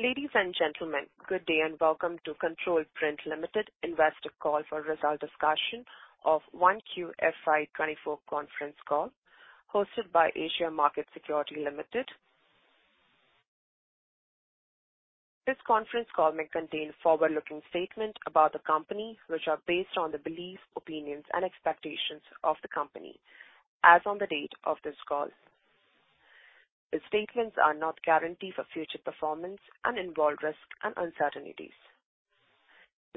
Ladies and gentlemen, good day, and welcome to Control Print Limited Investor Call for result discussion of 1Q FY2024 Conference Call hosted byAsian Markets Securities Limited. This conference call may contain forward-looking statement about the company which are based on the beliefs, opinions and expectations of the company as on the date of this call. The statements are not guarantee for future performance and involve risks and uncertainties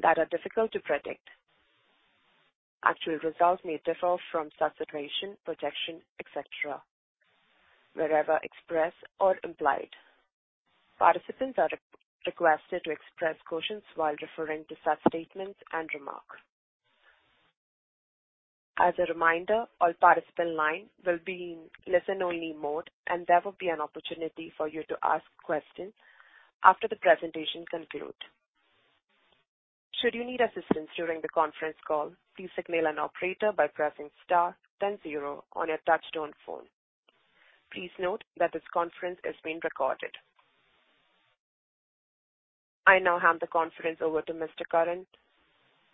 that are difficult to predict. Actual results may differ from such situation, projection, et cetera, wherever expressed or implied. Participants are re-requested to express cautions while referring to such statements and remarks. As a reminder, all participant line will be in listen-only mode, and there will be an opportunity for you to ask questions after the presentation conclude. Should you need assistance during the conference call, please signal an operator by pressing star 0 on your touchtone phone. Please note that this conference is being recorded. I now hand the conference over to Mr. Karan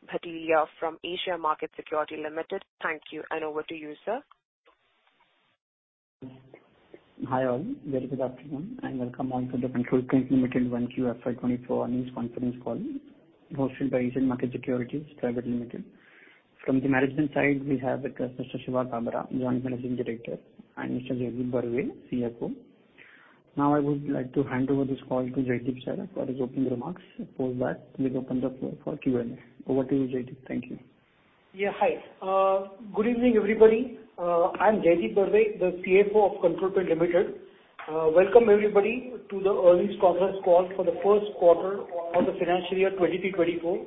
Bhatelia from Asian Markets Securities Limited. Thank you, and over to you, sir. Hi, all. Very good afternoon, welcome on to the Control Print Limited 1 QFY 2024 Carnings conference Call, hosted by Asian Markets Securities Private Limited. From the management side, we have with us Mr. Shiva Kabra, Joint Managing Director, and Mr. Jaideep Barve, CFO. I would like to hand over this call to Jaideep, sir, for his opening remarks before that we open the floor for Q&A. Over to you, Jaideep. Thank you. Yeah. Hi, good evening, everybody. I'm Jaideep Barve, the CFO of Control Print Limited. Welcome, everybody, to the earnings conference call for the 1st quarter of the financial year 2023, 2024.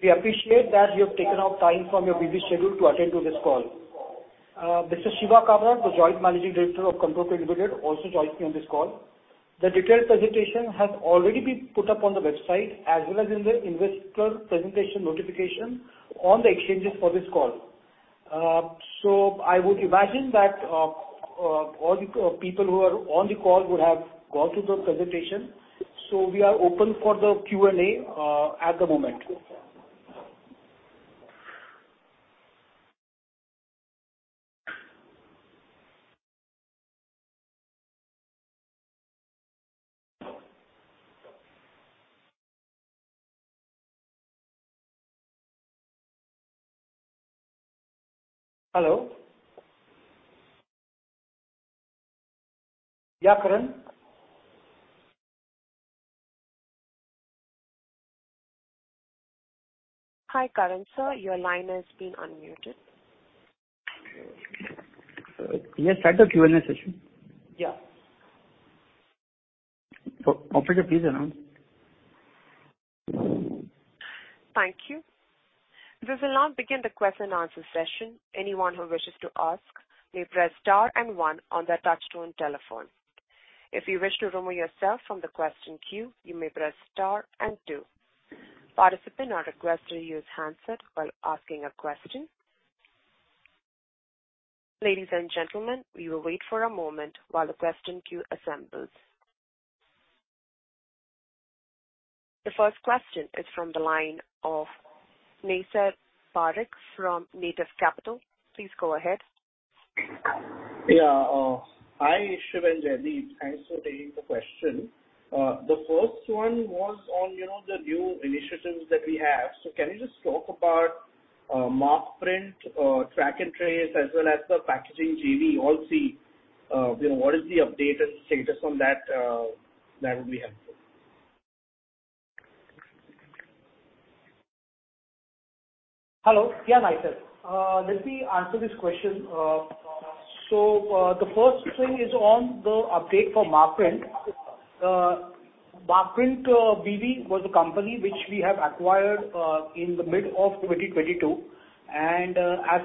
We appreciate that you have taken out time from your busy schedule to attend to this call. Mr. Shiva Kabra, the Joint Managing Director of Control Print Limited, also joins me on this call. The detailed presentation has already been put up on the website, as well as in the investor presentation notification on the exchanges for this call. I would imagine that all the people who are on the call would have gone through the presentation, so we are open for the Q&A at the moment. Hello? Yeah, Karan. Hi, Karan, sir. Your line has been unmuted. Yeah, start the Q&A session. Yeah. Operator, please announce. Thank you. We will now begin the question and answer session. Anyone who wishes to ask may press star and 1 on their touchtone telephone. If you wish to remove yourself from the question queue, you may press star and 2. Participant are requested to use handset while asking a question. Ladies and gentlemen, we will wait for a moment while the question queue assembles. The first question is from the line of Naysar Parikh from Native Capital. Please go ahead. Yeah. Hi, Shiva and Jaideep. Thanks for taking the question. The first one was on, you know, the new initiatives that we have. Can you just talk about Markprint, Track and Trace, as well as the packaging JV, all three? You know, what is the update and status on that? That would be helpful. Hello. Yeah, Naysar Parikh. Let me answer this question. The first thing is on the update for Markprint. Markprint BV was a company which we have acquired in the mid of 2022. As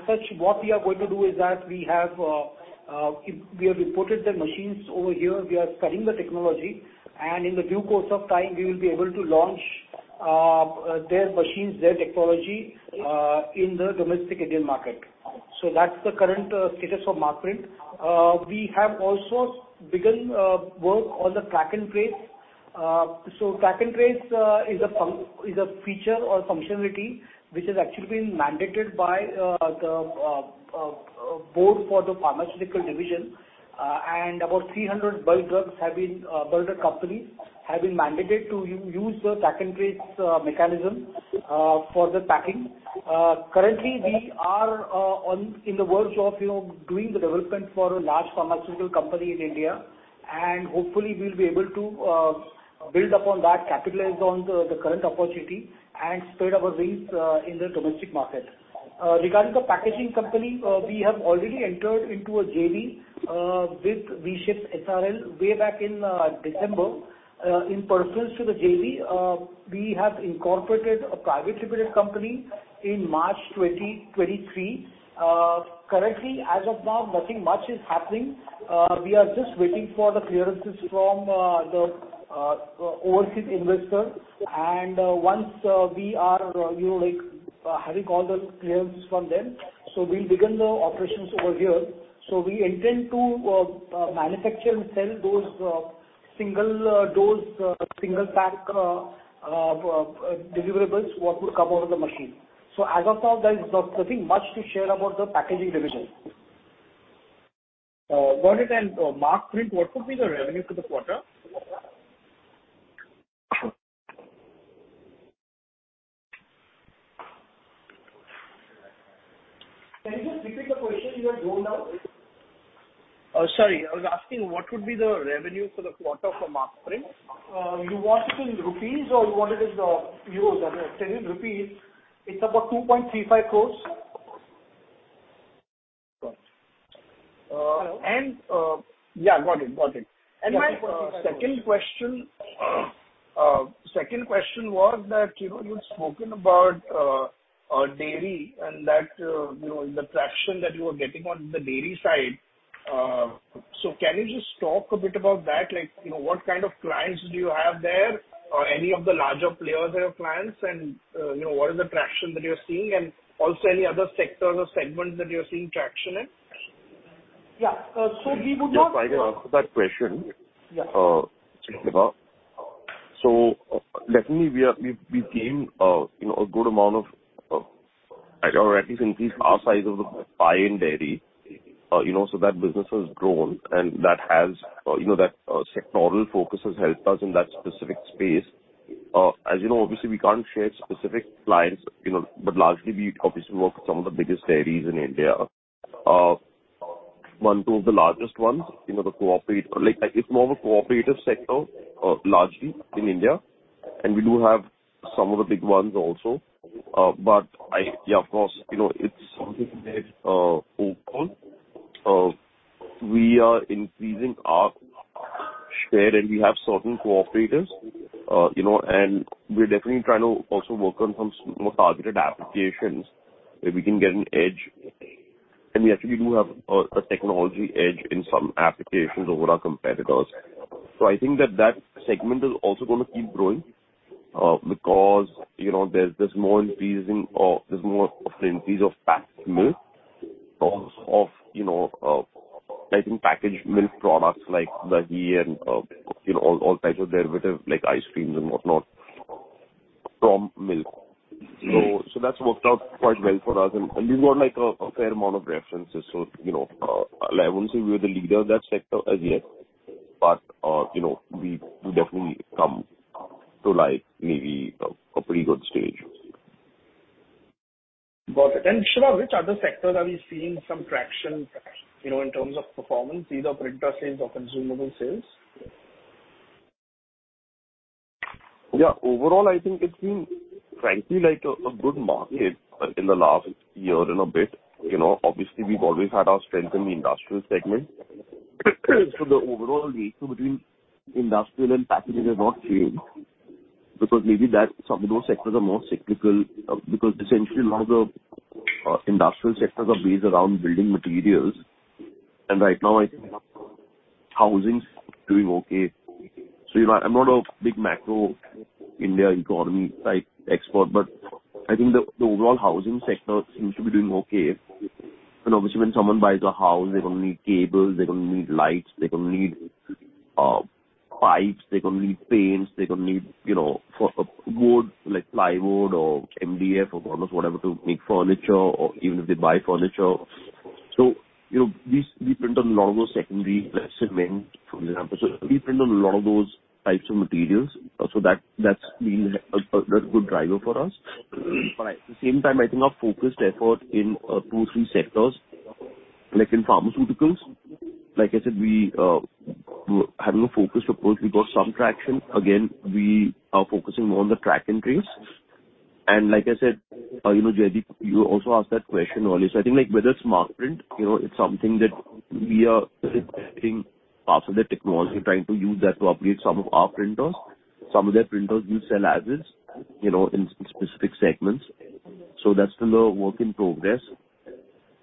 such, what we are going to do is that we have imported the machines over here. We are studying the technology, and in the due course of time, we will be able to launch their machines, their technology in the domestic Indian market. That's the current status for Markprint. We have also begun work on the Track and Trace. Track and Trace is a feature or functionality which has actually been mandated by the Board for the pharmaceutical division. And about 300 bulk drugs have been, bulk drug companies, have been mandated to use the Track and Trace mechanism for the packing. Currently, we are on the verge of, you know, doing the development for a large pharmaceutical company in India, and hopefully we'll be able to build upon that, capitalize on the current opportunity, and spread our wings in the domestic market. Regarding the packaging company, we have already entered into a JV with VShip SRL, way back in December. In pursuant to the JV, we have incorporated a private limited company in March 2023. Currently, as of now, nothing much is happening. We are just waiting for the clearances from the overseas investor. Once we are, you know, like, having all the clearances from them, we'll begin the operations over here. We intend to manufacture and sell those single dose single pack deliverables, what would come out of the machine. As of now, there is nothing much to share about the packaging division. Got it. Markprint, what would be the revenue for the quarter? Can you just repeat the question? You have gone down. Sorry. I was asking, what would be the revenue for the quarter for Markprint? You want it in rupees or you want it as the euros? In INR, it's about 2.35 crore. Yeah, got it, got it. Yeah. My second question, second question was that, you know, you've spoken about dairy and that, you know, the traction that you are getting on the dairy side. Can you just talk a bit about that? Like, you know, what kind of clients do you have there, or any of the larger players that have clients and, you know, what is the traction that you're seeing? Also, any other sectors or segments that you're seeing traction in? Yeah. We would not- Yes, I can answer that question. Yeah. Definitely we are, we, we gained, you know, a good amount of, or at least increased our size of the pie in dairy. You know, that business has grown, and that has, you know, that sectoral focus has helped us in that specific space. As you know, obviously, we can't share specific clients, you know, but largely we obviously work with some of the biggest dairies in India. One, two of the largest ones, you know, the cooperative. Like, it's more of a cooperative sector, largely in India, and we do have some of the big ones also. I, yeah, of course, you know, it's something that, overall, we are increasing our share, and we have certain cooperators, you know, and we're definitely trying to also work on some more targeted applications where we can get an edge. We actually do have a, a technology edge in some applications over our competitors. I think that that segment is also gonna keep growing, because, you know, there's more increase of packed milk of, you know, I think packaged milk products like dahi and, you know, all, all types of derivative, like ice creams and whatnot, from milk. Mm-hmm. That's worked out quite well for us, and we've got, like, a fair amount of references. You know, I wouldn't say we're the leader of that sector as yet, but, you know, we've definitely come to, like, maybe a pretty good stage. Got it. Shirur, which other sectors are we seeing some traction, you know, in terms of performance, either printer sales or consumable sales? Yeah. Overall, I think it's been frankly like a, a good market in the last year and a bit. You know, obviously, we've always had our strength in the industrial segment. The overall ratio between industrial and packaging has not changed because maybe that some of those sectors are more cyclical, because essentially a lot of the industrial sectors are based around building materials, and right now I think housing's doing okay. You know, I'm not a big macro India economy type expert, but I think the, the overall housing sector seems to be doing okay. Obviously, when someone buys a house, they're gonna need cables, they're gonna need lights, they're gonna need pipes, they're gonna need paints, they're gonna need, you know, for wood, like plywood or MDF or almost whatever to make furniture or even if they buy furniture. You know, we print a lot of those secondary, like cement, for example. We print on a lot of those types of materials, so that, that's been a, a, a good driver for us. At the same time, I think our focused effort in two, three sectors, like in pharmaceuticals, like I said, we having a focus, of course, we got some traction. Again, we are focusing more on the Track and Trace. Like I said, you know, Jay, you also asked that question earlier. I think, like, whether it's Markprint, you know, it's something that we are getting parts of the technology and trying to use that to upgrade some of our printers. Some of their printers we sell as is, you know, in specific segments. That's still a work in progress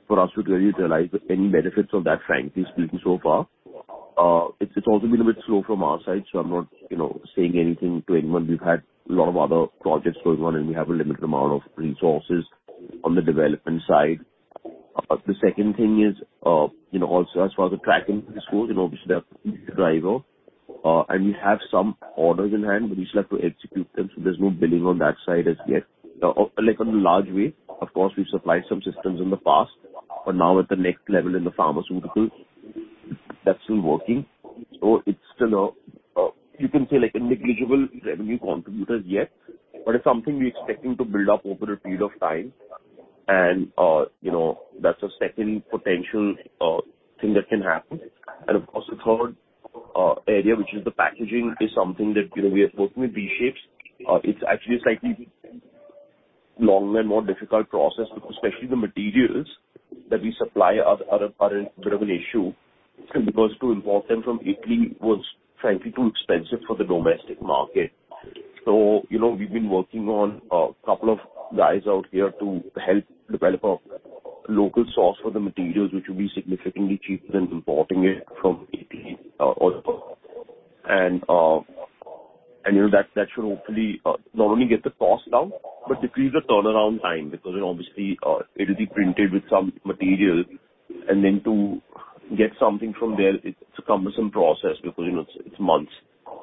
for us to really utilize any benefits of that, frankly speaking, so far. It's, it's also been a bit slow from our side, so I'm not, you know, saying anything to anyone. We've had a lot of other projects going on, and we have a limited amount of resources on the development side. The second thing is, you know, also as far as the tracking goes, you know, obviously they have Domino, and we have some orders in hand, but we still have to execute them, so there's no billing on that side as yet. Like, on the large way, of course, we've supplied some systems in the past, but now we're at the next level in the pharmaceuticals. That's still working, so it's still a, you can say, like a negligible revenue contributor yet, but it's something we're expecting to build up over a period of time and, you know, that's a second potential thing that can happen. Of course, the third area, which is the packaging, is something that, you know, we are working with V-Shapes. It's actually a slightly longer and more difficult process, especially the materials that we supply are, are, are a bit of an issue because to import them from Italy was frankly too expensive for the domestic market. You know, we've been working on a couple of guys out here to help develop a local source for the materials, which will be significantly cheaper than importing it from Italy or... And, you know, that, that should hopefully, not only get the cost down, but decrease the turnaround time, because then obviously, it will be printed with some materials, and then to get something from there, it's a cumbersome process because, you know, it's months.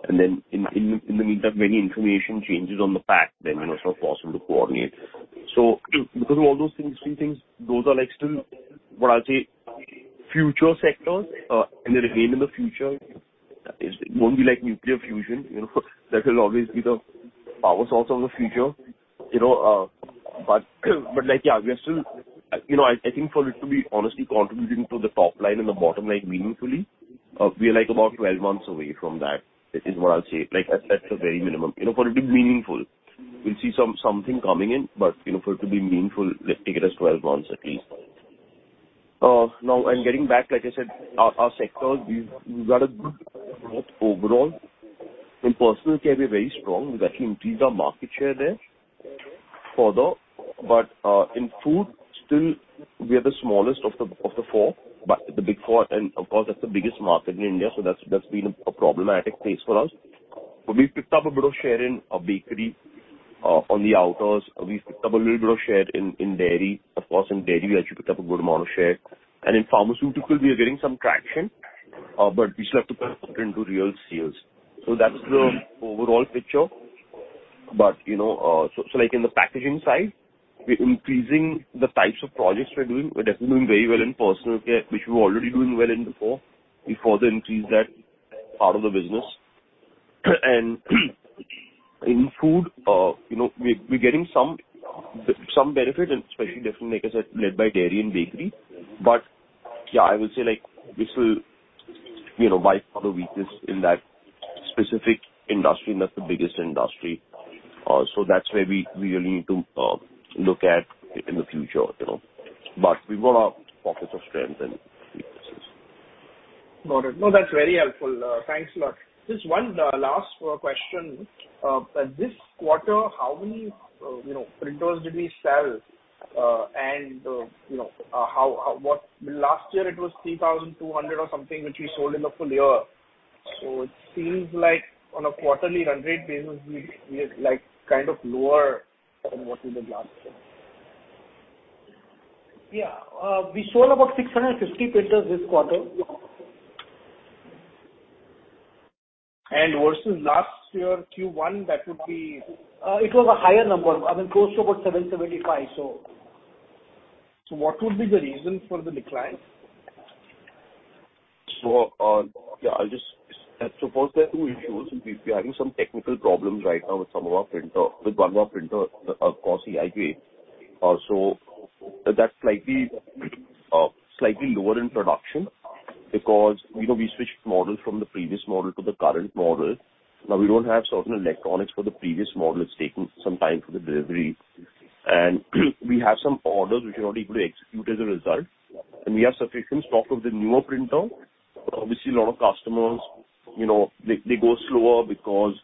Then in, in the, in the meantime, any information changes on the fact, then, you know, it's not possible to coordinate. Because of all those things, three things, those are like still what I'll say, future sectors, and they remain in the future. It won't be like nuclear fusion, you know, that will always be the power source of the future, you know, but like, yeah, we are still. You know, I think for it to be honestly contributing to the top line and the bottom line meaningfully, we are like about 12 months away from that, is what I'll say. Like, at the very minimum. You know, for it to be meaningful, we'll see something coming in, but, you know, for it to be meaningful, let's take it as 12 months at least. Now, getting back, like I said, our sectors, we've got a good growth overall. In personal care, we're very strong. We've actually increased our market share there further. In food, still we are the smallest of the, of the four, but the big four, and of course, that's the biggest market in India, so that's been a problematic place for us. We've picked up a bit of share in bakery on the outers. We've picked up a little bit of share in dairy. Of course, in dairy, we actually picked up a good amount of share. In pharmaceutical, we are getting some traction, but we still have to put into real sales. That's the overall picture. You know, so, so like in the packaging side, we're increasing the types of projects we're doing. We're definitely doing very well in personal care, which we're already doing well in before. We further increase that part of the business. In food, you know, we're getting some benefit, and especially definitely, like I said, led by dairy and bakery. Yeah, I would say, like, this will, you know, wipe out the weakness in that specific industry, and that's the biggest industry. That's where we really need to look at in the future, you know. We've got our pockets of strength and weaknesses. Got it. No, that's very helpful. Thanks a lot. Just one last question. This quarter, how many, you know, printers did we sell? You know, how, how, what -- Last year it was 3,200 or something, which we sold in the full year. It seems like on a quarterly run rate basis, we, we are, like, kind of lower than what was in the last year. Yeah. We sold about 650 printers this quarter. Versus last year, Q1, that would be? It was a higher number, I mean, close to about 775, so. What would be the reason for the decline? First, there are two issues. We are having some technical problems right now with some of our printer, with one of our printer, of course, the IPA. That's slightly, slightly lower in production because, you know, we switched models from the previous model to the current model. Now, we don't have certain electronics for the previous model. It's taking some time for the delivery. We have some orders which we're not able to execute as a result. We have sufficient stock of the newer printer. Obviously, a lot of customers, you know, they, they go slower because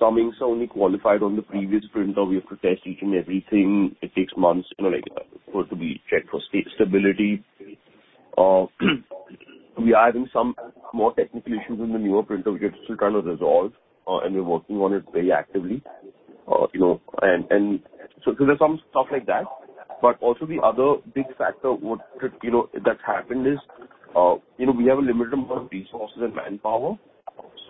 some things are only qualified on the previous printer. We have to test each and everything. It takes months, you know, like, for it to be checked for stability. We are having some more technical issues in the newer printer, which we're still trying to resolve, and we're working on it very actively. You know, and so there's some stuff like that. Also the other big factor would, you know, that's happened is, you know, we have a limited amount of resources and manpower.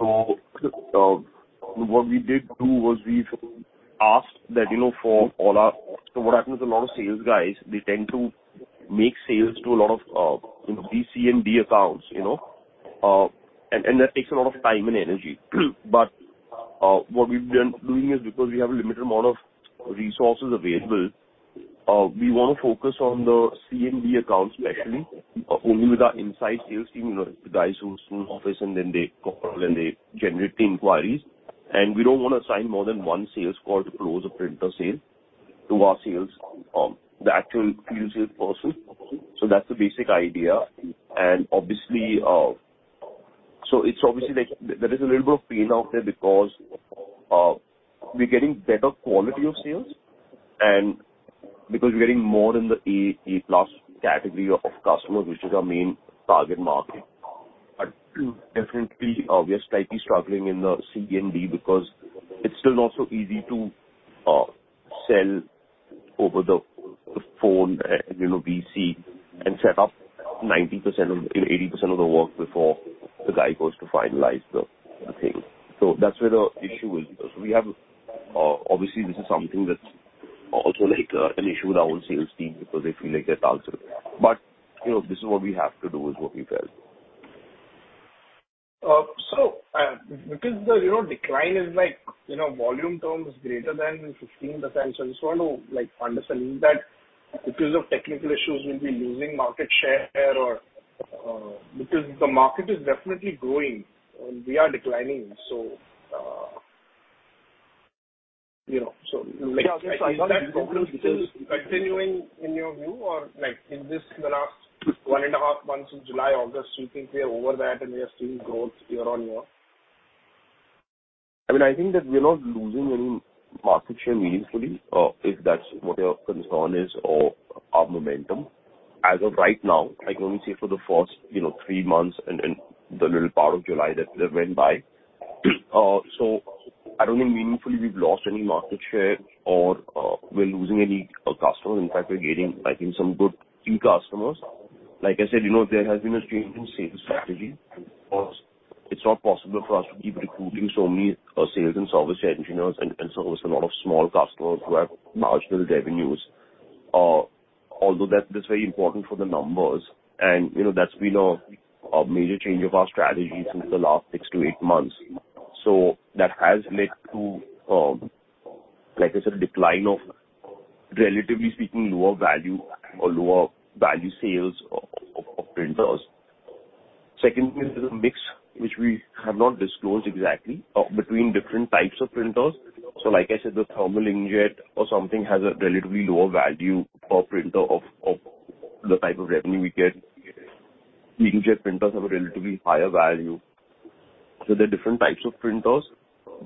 What we did do was we asked that, you know, for all our. What happens, a lot of sales guys, they tend to make sales to a lot of, you know, B, C, and D accounts. That takes a lot of time and energy. What we've been doing is because we have a limited amount of resources available, we want to focus on the C and D accounts, especially, only with our inside sales team, you know, the guys who sit in office and then they call and they generate the inquiries. We don't want to assign more than one sales call to close a printer sale to our sales, the actual field sales person. That's the basic idea. Obviously, so it's obviously like there is a little bit of pain out there because we're getting better quality of sales, and because we're getting more in the A, A+ category of customers, which is our main target market. Definitely, we are slightly struggling in the C and D because it's still not so easy to sell over the phone, and, you know, BC, and set up 90% of, 80% of the work before the guy goes to finalize the thing. That's where the issue is. We have, obviously, this is something that's also like an issue with our own sales team because they feel like they're also you know, this is what we have to do is what we felt. Because the, you know, decline is like, you know, volume term is greater than 15%, so I just want to, like, understand that because of technical issues, we'll be losing market share or, because the market is definitely growing and we are declining. You know, so continuing in your view or, like, in this, the last 1.5 months in July, August, you think we are over that and we are seeing growth year-over-year? I mean, I think that we are not losing any market share meaningfully, if that's what your concern is or our momentum. As of right now, I can only say for the first, you know, 3 months and, and the little part of July that, that went by. I don't think meaningfully we've lost any market share or we're losing any customer. In fact, we're getting, I think, some good key customers. Like I said, you know, there has been a change in sales strategy. Of course, it's not possible for us to keep recruiting so many sales and service engineers and service a lot of small customers who have marginal revenues. Although that's very important for the numbers, and, you know, that's been a major change of our strategy since the last 6-8 months. That has led to, like I said, a decline of, relatively speaking, lower value or lower value sales of printers. Secondly, is the mix, which we have not disclosed exactly, between different types of printers. Like I said, the thermal inkjet or something has a relatively lower value of printer of, of the type of revenue we get. Inkjet printers have a relatively higher value. There are different types of printers,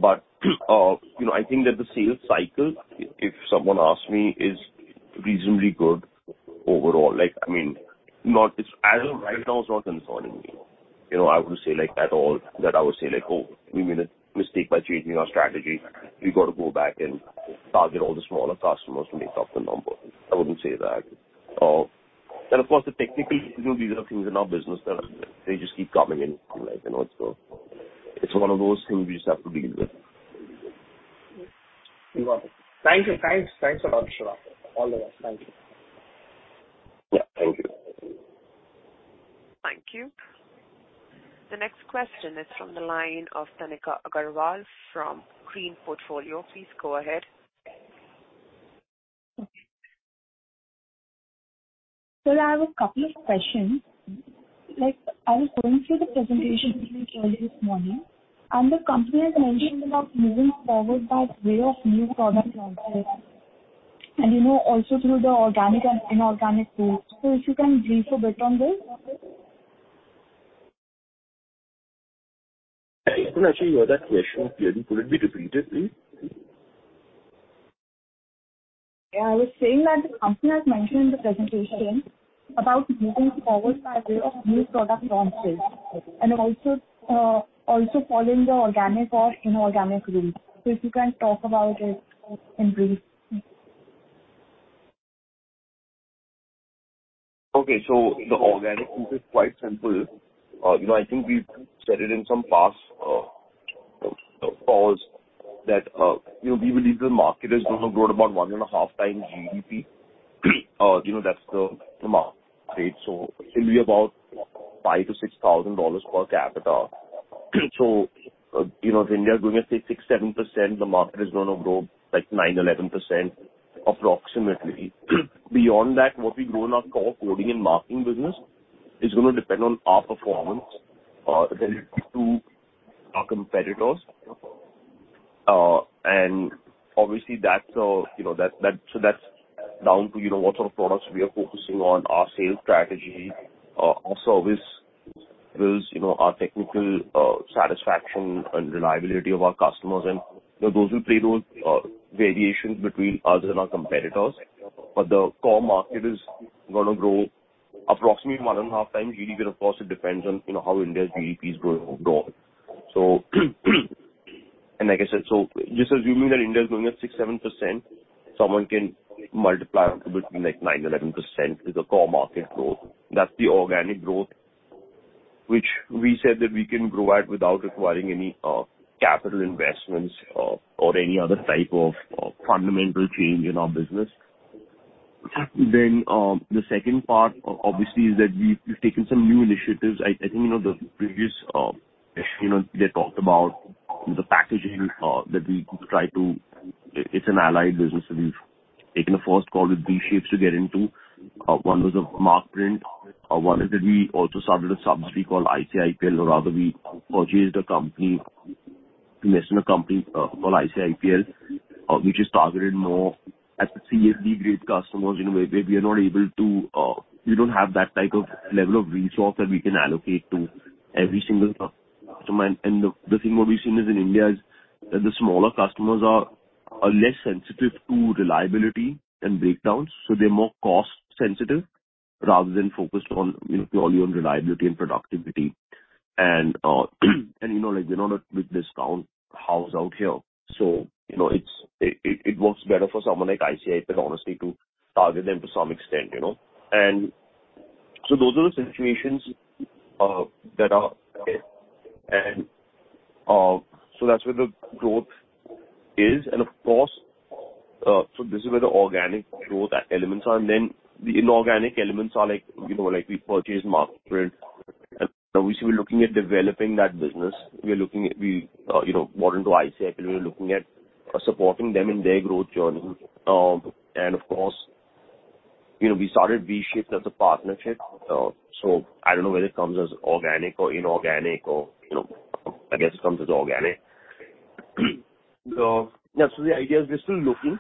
but, you know, I think that the sales cycle, if someone asks me, is reasonably good overall. Like, I mean, as of right now, it's not concerning me. You know, I would say, like, at all, that I would say, like, "Oh, we made a mistake by changing our strategy. We've got to go back and target all the smaller customers to make up the number." I wouldn't say that. The technical issues, these are things in our business that they just keep coming in, like, you know, so it's one of those things we just have to deal with. Thank you. Thanks. Thanks a lot, Sharath. All the best. Thank you. Yeah. Thank you. Thank you. The next question is from the line of Tanika Aggarwal from Green Portfolio. Please go ahead. Sir, I have a couple of questions. Like, I was going through the presentation pretty early this morning, and the company has mentioned about moving forward by way of new product launches, and, you know, also through the organic and inorganic growth. If you can brief a bit on this? I couldn't actually hear that question clearly. Could it be repeated, please? Yeah. I was saying that the company has mentioned in the presentation about moving forward by way of new product launches and also, also following the organic or inorganic route. If you can talk about it in brief? Okay. The organic route is quite simple. you know, I think we've said it in some past calls, that, you know, we believe the market is going to grow at about 1.5x GDP. you know, that's the market rate, so it'll be about $5,000-$6,000 per capita. you know, if India is growing at, say, 6%-7%, the market is gonna grow, like, 9%-11%, approximately. Beyond that, what we grow in our core coding and marking business is gonna depend on our performance, relative to our competitors. obviously, that's a. You know, that, that, so that's down to, you know, what sort of products we are focusing on, our sales strategy, our service, because, you know, our technical satisfaction and reliability of our customers, and those will play those variations between us and our competitors. The core market is gonna grow approximately 1.5x GDP, but of course, it depends on, you know, how India's GDP is growing, grow. Like I said, just assuming that India is growing at 6%, 7%, someone can multiply between, like, 9% and 11% is the core market growth. That's the organic growth, which we said that we can grow at without requiring any capital investments, or any other type of, of fundamental change in our business. The second part obviously is that we've, we've taken some new initiatives. I, I think, the previous, they talked about the packaging, that we try to. It, it's an allied business that we've taken a first call with V-Shapes to get into. One was a Markprint, one is that we also started a subsidiary called ICIPL, or rather, we purchased a company, invested in a company, called ICIPL, which is targeted more at the C and D-grade customers. In a way, we are not able to, we don't have that type of level of resource that we can allocate to every single customer. The, the thing what we've seen is in India is that the smaller customers are, are less sensitive to reliability and breakdowns, so they're more cost-sensitive rather than focused on, you know, purely on reliability and productivity. You know, like we're not a big discount house out here, so, you know, it's, it, it works better for someone like ICIPL, honestly, to target them to some extent, you know? Those are the situations. That's where the growth is. Of course, so this is where the organic growth elements are. The inorganic elements are like, you know, like we purchased Markprint, and obviously, we're looking at developing that business. We are looking at, you know, bought into ICIPL. We're looking at supporting them in their growth journey. Of course, you know, we started V-Shapes as a partnership. I don't know whether it comes as organic or inorganic or, you know, I guess it comes as organic. Yeah, the idea is we're still looking.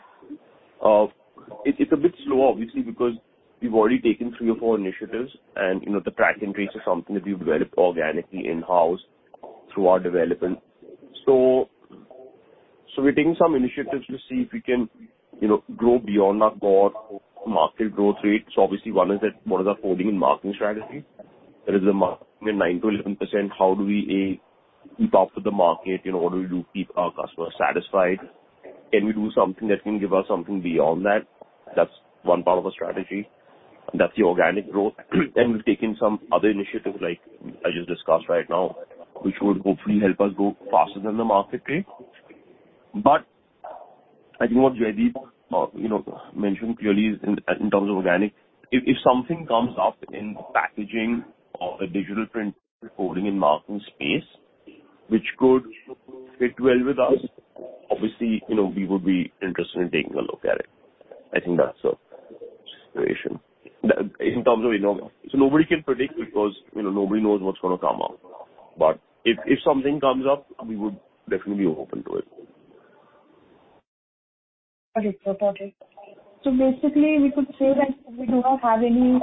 It's, it's a bit slow, obviously, because we've already taken three or four initiatives, and, you know, the Track and Trace is something that we've developed organically in-house through our development. We're taking some initiatives to see if we can, you know, grow beyond our core market growth rate. Obviously, one is that what is our coding and marking strategy? That is the market 9%-11%. How do we keep up with the market, you know, what do we do to keep our customers satisfied? Can we do something that can give us something beyond that? That's one part of our strategy, that's the organic growth. We've taken some other initiatives, like I just discussed right now, which would hopefully help us grow faster than the market rate. I think what Jaideep, you know, mentioned clearly is in, in terms of organic, if, if something comes up in packaging or a digital print coding and marking space, which could fit well with us, obviously, you know, we would be interested in taking a look at it. I think that's the situation. In terms of inorganic. Nobody can predict because, you know, nobody knows what's gonna come up. If, if something comes up, we would definitely be open to it. Okay, sir. Got it. Basically, we could say that we do not have any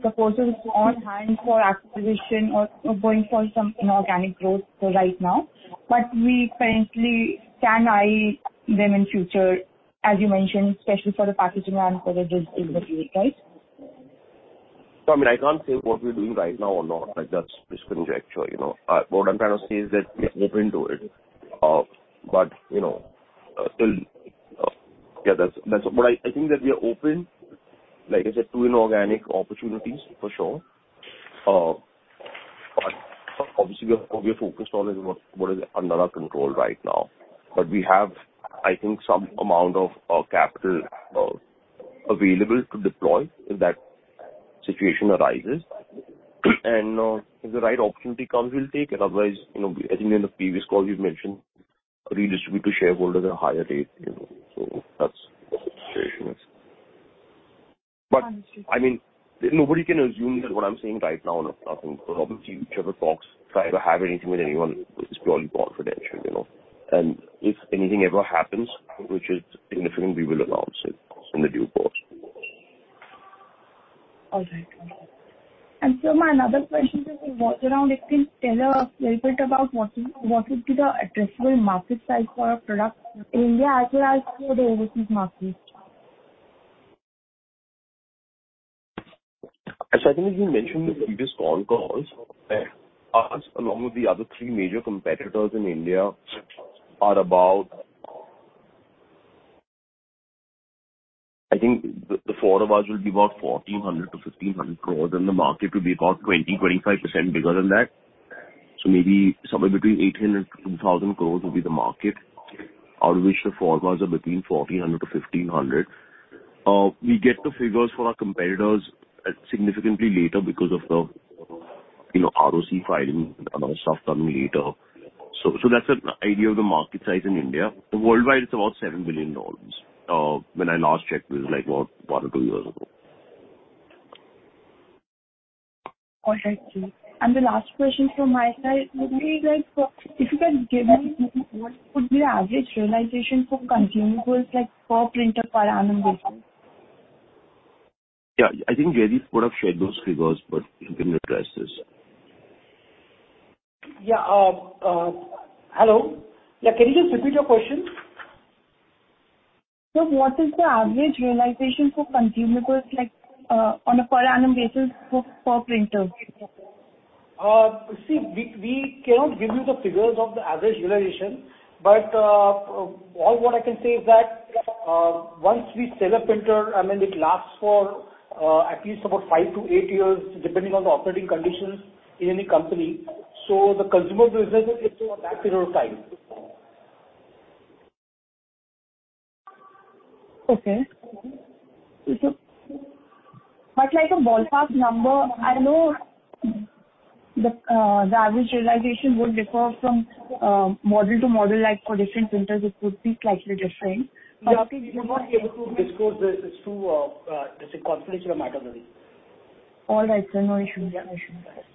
proposals on hand for acquisition or going for some inorganic growth for right now, but we apparently can eye them in future, as you mentioned, especially for the packaging and for the digital, right? I mean, I can't say what we're doing right now or not, like, that's just conjecture, you know? What I'm trying to say is that we are open to it, but, you know, still. I, I think that we are open, like I said, to inorganic opportunities for sure. Obviously, what we are focused on is what, what is under our control right now. We have, I think, some amount of capital available to deploy if that situation arises. If the right opportunity comes, we'll take it. Otherwise, you know, I think in the previous call we've mentioned redistribute to shareholders at a higher rate, you know, that's what the situation is. Understood. I mean, nobody can assume that what I'm saying right now or not, nothing. Obviously, whichever talks, try to have anything with anyone is purely confidential, you know? If anything ever happens, which is in different, we will announce it in the due course. All right. Sir, my another question is, around if you can tell us a little bit about what is, what is the addressable market size for our product in India as well as for the overseas market? I think as we mentioned in the previous phone calls, us, along with the other three major competitors in India, are about... I think the, the four of us will be about 1,400-1,500, and the market will be about 20%-25% bigger than that. Maybe somewhere between 1,800-2,000 will be the market, out of which the four of us are between 1,400 crore-1,500. We get the figures for our competitors, significantly later because of the, you know, ROC filing and other stuff coming later. That's an idea of the market size in India. Worldwide, it's about $7 billion, when I last checked it, was, like, what, one or two years ago. All right, sir. The last question from my side would be, like, if you can give me, what would be the average realization for consumable, like, per printer per annum basis? Yeah, I think Jaideep would have shared those figures, but he can address this. Yeah, hello. Yeah, can you just repeat your question? Sir, what is the average realization for consumables, like, on a per annum basis for, per printer? See, we, we cannot give you the figures of the average realization, but, all what I can say is that, once we sell a printer, I mean, it lasts for, at least about 5 to 8 years, depending on the operating conditions in any company. The consumer business is a back period of time. Okay. Like a ballpark number, I know the, the average realization would differ from, model to model, like for different printers, it would be slightly different. We're not able to disclose this, it's too, it's a confidential matter, I believe. All right, sir. No issue. Yeah, I shouldn't ask.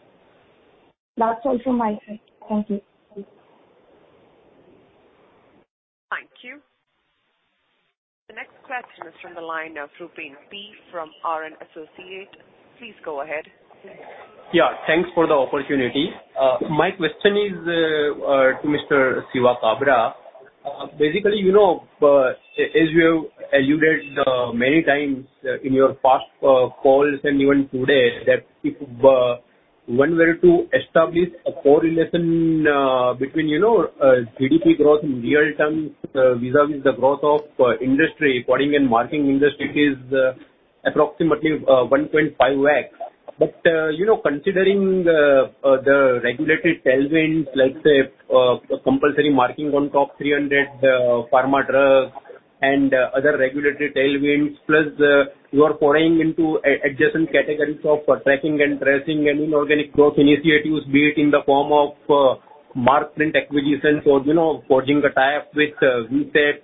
That's all from my side. Thank you. Thank you. The next question is from the line of Rupen B from RN Associate. Please go ahead. Yeah, thanks for the opportunity. My question is to Mr. Shiva Kabra. Basically, you know, as you alluded many times in your past calls and even today, that if one were to establish a correlation between, you know, GDP growth in real terms, vis-à-vis the growth of industry, coding and marking industry is approximately 150,000. You know, considering the regulatory tailwinds, like, say, compulsory marking on top 300 pharma drugs and other regulatory tailwinds, plus, you are foraying into adjacent categories of tracking and tracing and inorganic growth initiatives, be it in the form of Markprint acquisitions or, you know, forging a tie-up with Mtech.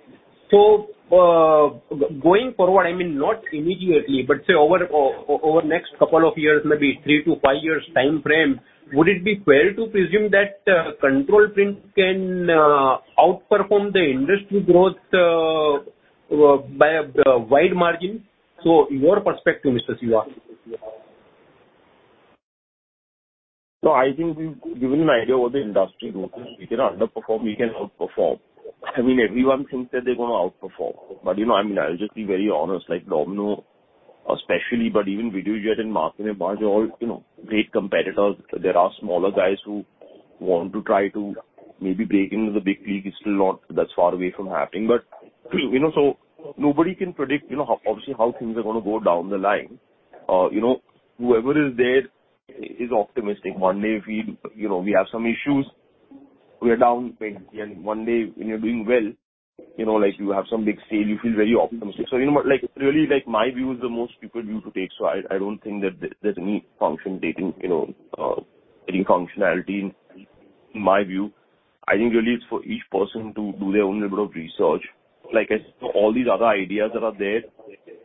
Going forward, I mean, not immediately, but say over, over the next couple of years, maybe 3-5 years time frame, would it be fair to presume that Control Print can outperform the industry growth by a wide margin? Your perspective, Mr. Shiva. I think we've given you an idea what the industry growth is. We cannot underperform, we can outperform. I mean, everyone thinks that they're gonna outperform, but, you know, I mean, I'll just be very honest, like, you know, especially, but even Videojet and Markem-Imaje are all, you know, great competitors. There are smaller guys who want to try to maybe break into the big league. It's still not that far away from happening. Nobody can predict, you know, obviously, how things are gonna go down the line. Whoever is there is optimistic. One day we, you know, we have some issues, we are down, and one day when you're doing well, you know, like, you have some big sale, you feel very optimistic. You know what? Like, really, like, my view is the most people view to take, so I, I don't think that there's any function taking, you know, any functionality in my view. I think really it's for each person to do their own level of research. Like I said, all these other ideas that are there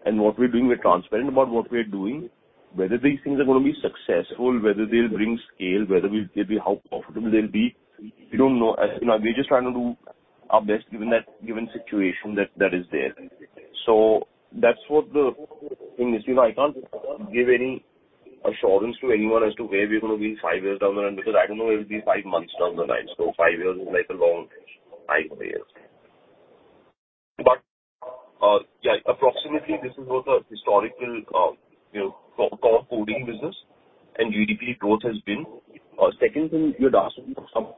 and what we're doing, we're transparent about what we're doing. Whether these things are gonna be successful, whether they'll bring scale, whether they'll be how profitable they'll be, we don't know. As you know, we're just trying to do our best given that given situation that, that is there. That's what the thing is. You know, I can't give any assurance to anyone as to where we're gonna be five years down the line, because I don't know where we'll be five months down the line. Five years is like a long time, five years. Yeah, approximately this is what the historical, you know, core coding business and GDP growth has been. Second thing you had asked me, some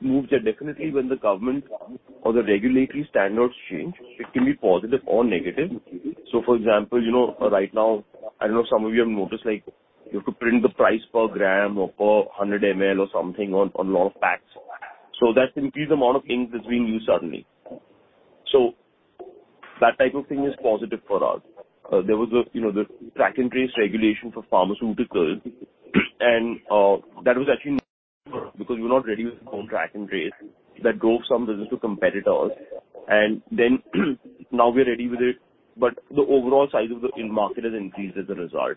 moves that definitely when the government or the regulatory standards change, it can be positive or negative. For example, you know, right now, I don't know, some of you have noticed, like, you have to print the price per gram or per 100 ml or something on, on a lot of packs. That's increased the amount of ink that's being used suddenly. That type of thing is positive for us. There was the, you know, the Track and Trace regulation for pharmaceuticals, and that was actually because we were not ready with our own Track and Trace. That drove some business to competitors. Now we're ready with it, but the overall size of the end market has increased as a result.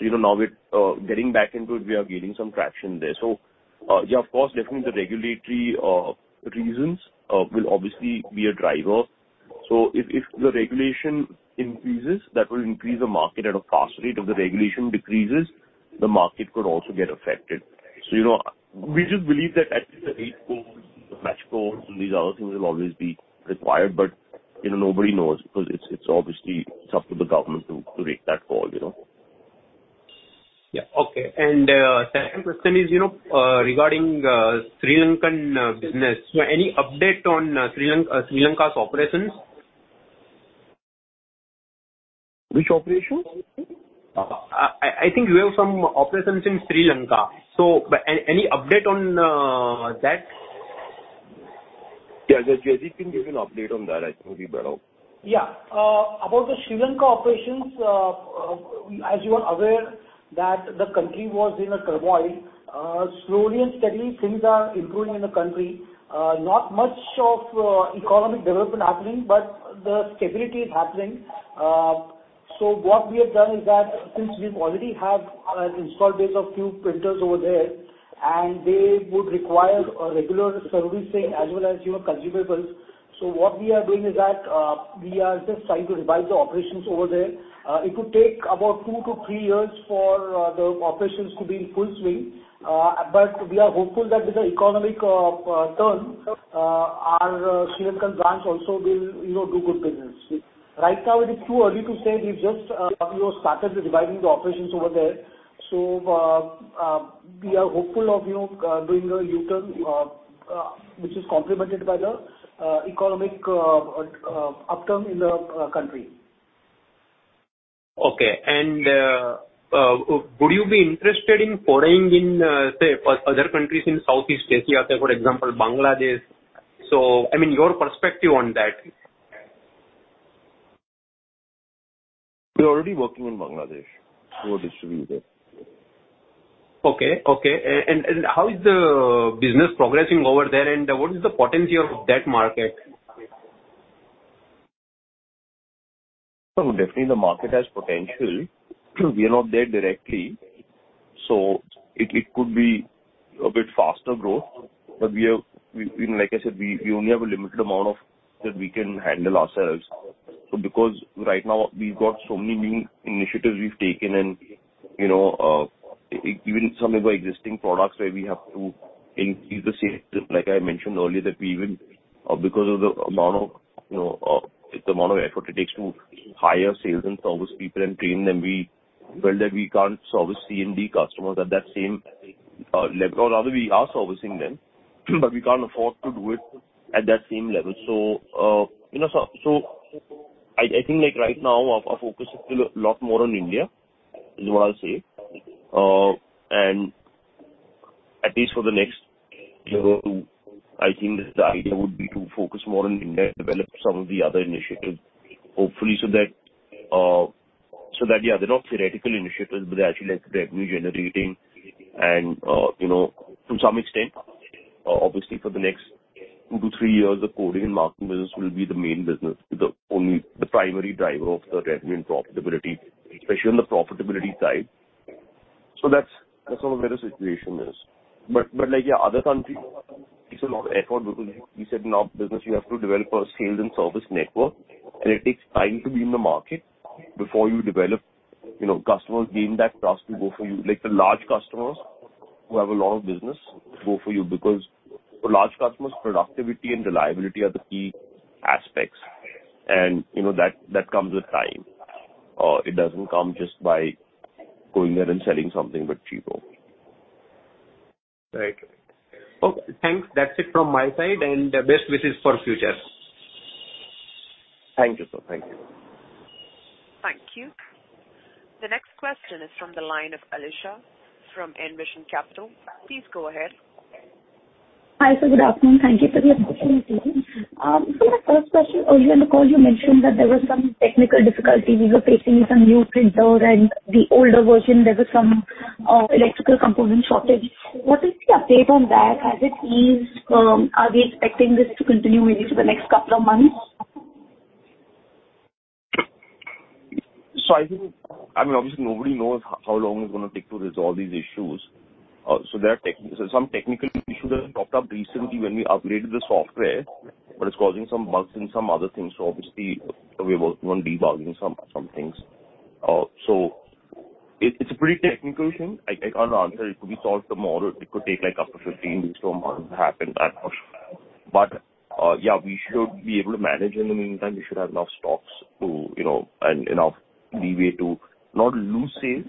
You know, now we're getting back into it, we are gaining some traction there. Yeah, of course, definitely the regulatory reasons will obviously be a driver. If, if the regulation increases, that will increase the market at a faster rate. If the regulation decreases, the market could also get affected. You know, we just believe that at least the eight codes, the batch codes, and these other things will always be required, but, you know, nobody knows because it's, it's obviously it's up to the government to, to make that call, you know? Yeah. Okay. Second question is, you know, regarding Sri Lankan business. Any update on Sri Lanka, Sri Lanka's operations? Which operations? I, I think you have some operations in Sri Lanka, so any, any update on that? Yeah. Jaideep can give you an update on that. I think he'd be better. Yeah. About the Sri Lanka operations, as you are aware, that the country was in a turmoil. Slowly and steadily, things are improving in the country. Not much of economic development happening, but the stability is happening. What we have done is that since we already have an installed base of few printers over there, and they would require a regular servicing as well as, you know, consumables. What we are doing is that, we are just trying to revise the operations over there. It could take about 2-3 years for the operations to be in full swing. We are hopeful that with the economic turn, our Sri Lankan branch also will, you know, do good business. Right now, it is too early to say. We've just, you know, started revising the operations over there. We are hopeful of, you know, doing a U-turn, which is complemented by the economic upturn in the country. Okay. Would you be interested in foraying in, say, other countries in Southeast Asia, say, for example, Bangladesh? I mean, your perspective on that. We're already working in Bangladesh for distributors. Okay. Okay. And how is the business progressing over there, and what is the potential of that market? Definitely the market has potential. We are not there directly, so it, it could be a bit faster growth. We have. We, like I said, we, we only have a limited amount of that we can handle ourselves. Because right now we've got so many new initiatives we've taken and, you know, even some of our existing products, where we have to increase the sales, like I mentioned earlier, that we even, because of the amount of, you know, the amount of effort it takes to hire sales and service people and train them, we felt that we can't service C&D customers at that same level. Rather, we are servicing them, but we can't afford to do it at that same level. You know, I, I think, like, right now, our, our focus is still a lot more on India, is what I'll say. At least for the next 2, I think the idea would be to focus more on India and develop some of the other initiatives, hopefully, so that, so that, yeah, they're not theoretical initiatives, but they're actually, like, revenue generating and, you know, to some extent, obviously, for the next 2-3 years, the coding and marking business will be the main business, the only... the primary driver of the revenue and profitability, especially on the profitability side. That's, that's sort of where the situation is. Like, yeah, other countries, it's a lot of effort because like we said, in our business, you have to develop a sales and service network, and it takes time to be in the market before you develop, you know, customers gain that trust to go for you. Like the large customers. We have a lot of business go for you because for large customers, productivity and reliability are the key aspects, and, you know, that, that comes with time. It doesn't come just by going there and selling something, but cheaper. Right. Okay, thanks. That's it from my side. Best wishes for future. Thank you, sir. Thank you. Thank you. The next question is from the line of Alisha from Envision Capital. Please go ahead. Hi, sir, good afternoon. Thank you for the opportunity. My first question, earlier in the call you mentioned that there were some technical difficulties you were facing with some new printer and the older version, there was some electrical component shortage. What is the update on that? Has it eased? Are we expecting this to continue maybe for the next couple of months? I think... I mean, obviously, nobody knows how long it's gonna take to resolve these issues. There are tech- some technical issues that have popped up recently when we upgraded the software, but it's causing some bugs in some other things, so obviously we are working on debugging some, some things. It, it's a pretty technical thing. I, I can't answer. It could be solved tomorrow, it could take, like, up to 15 weeks to a month, happen, I'm not sure. Yeah, we should be able to manage in the meantime. We should have enough stocks to, you know, and enough leeway to not lose sales,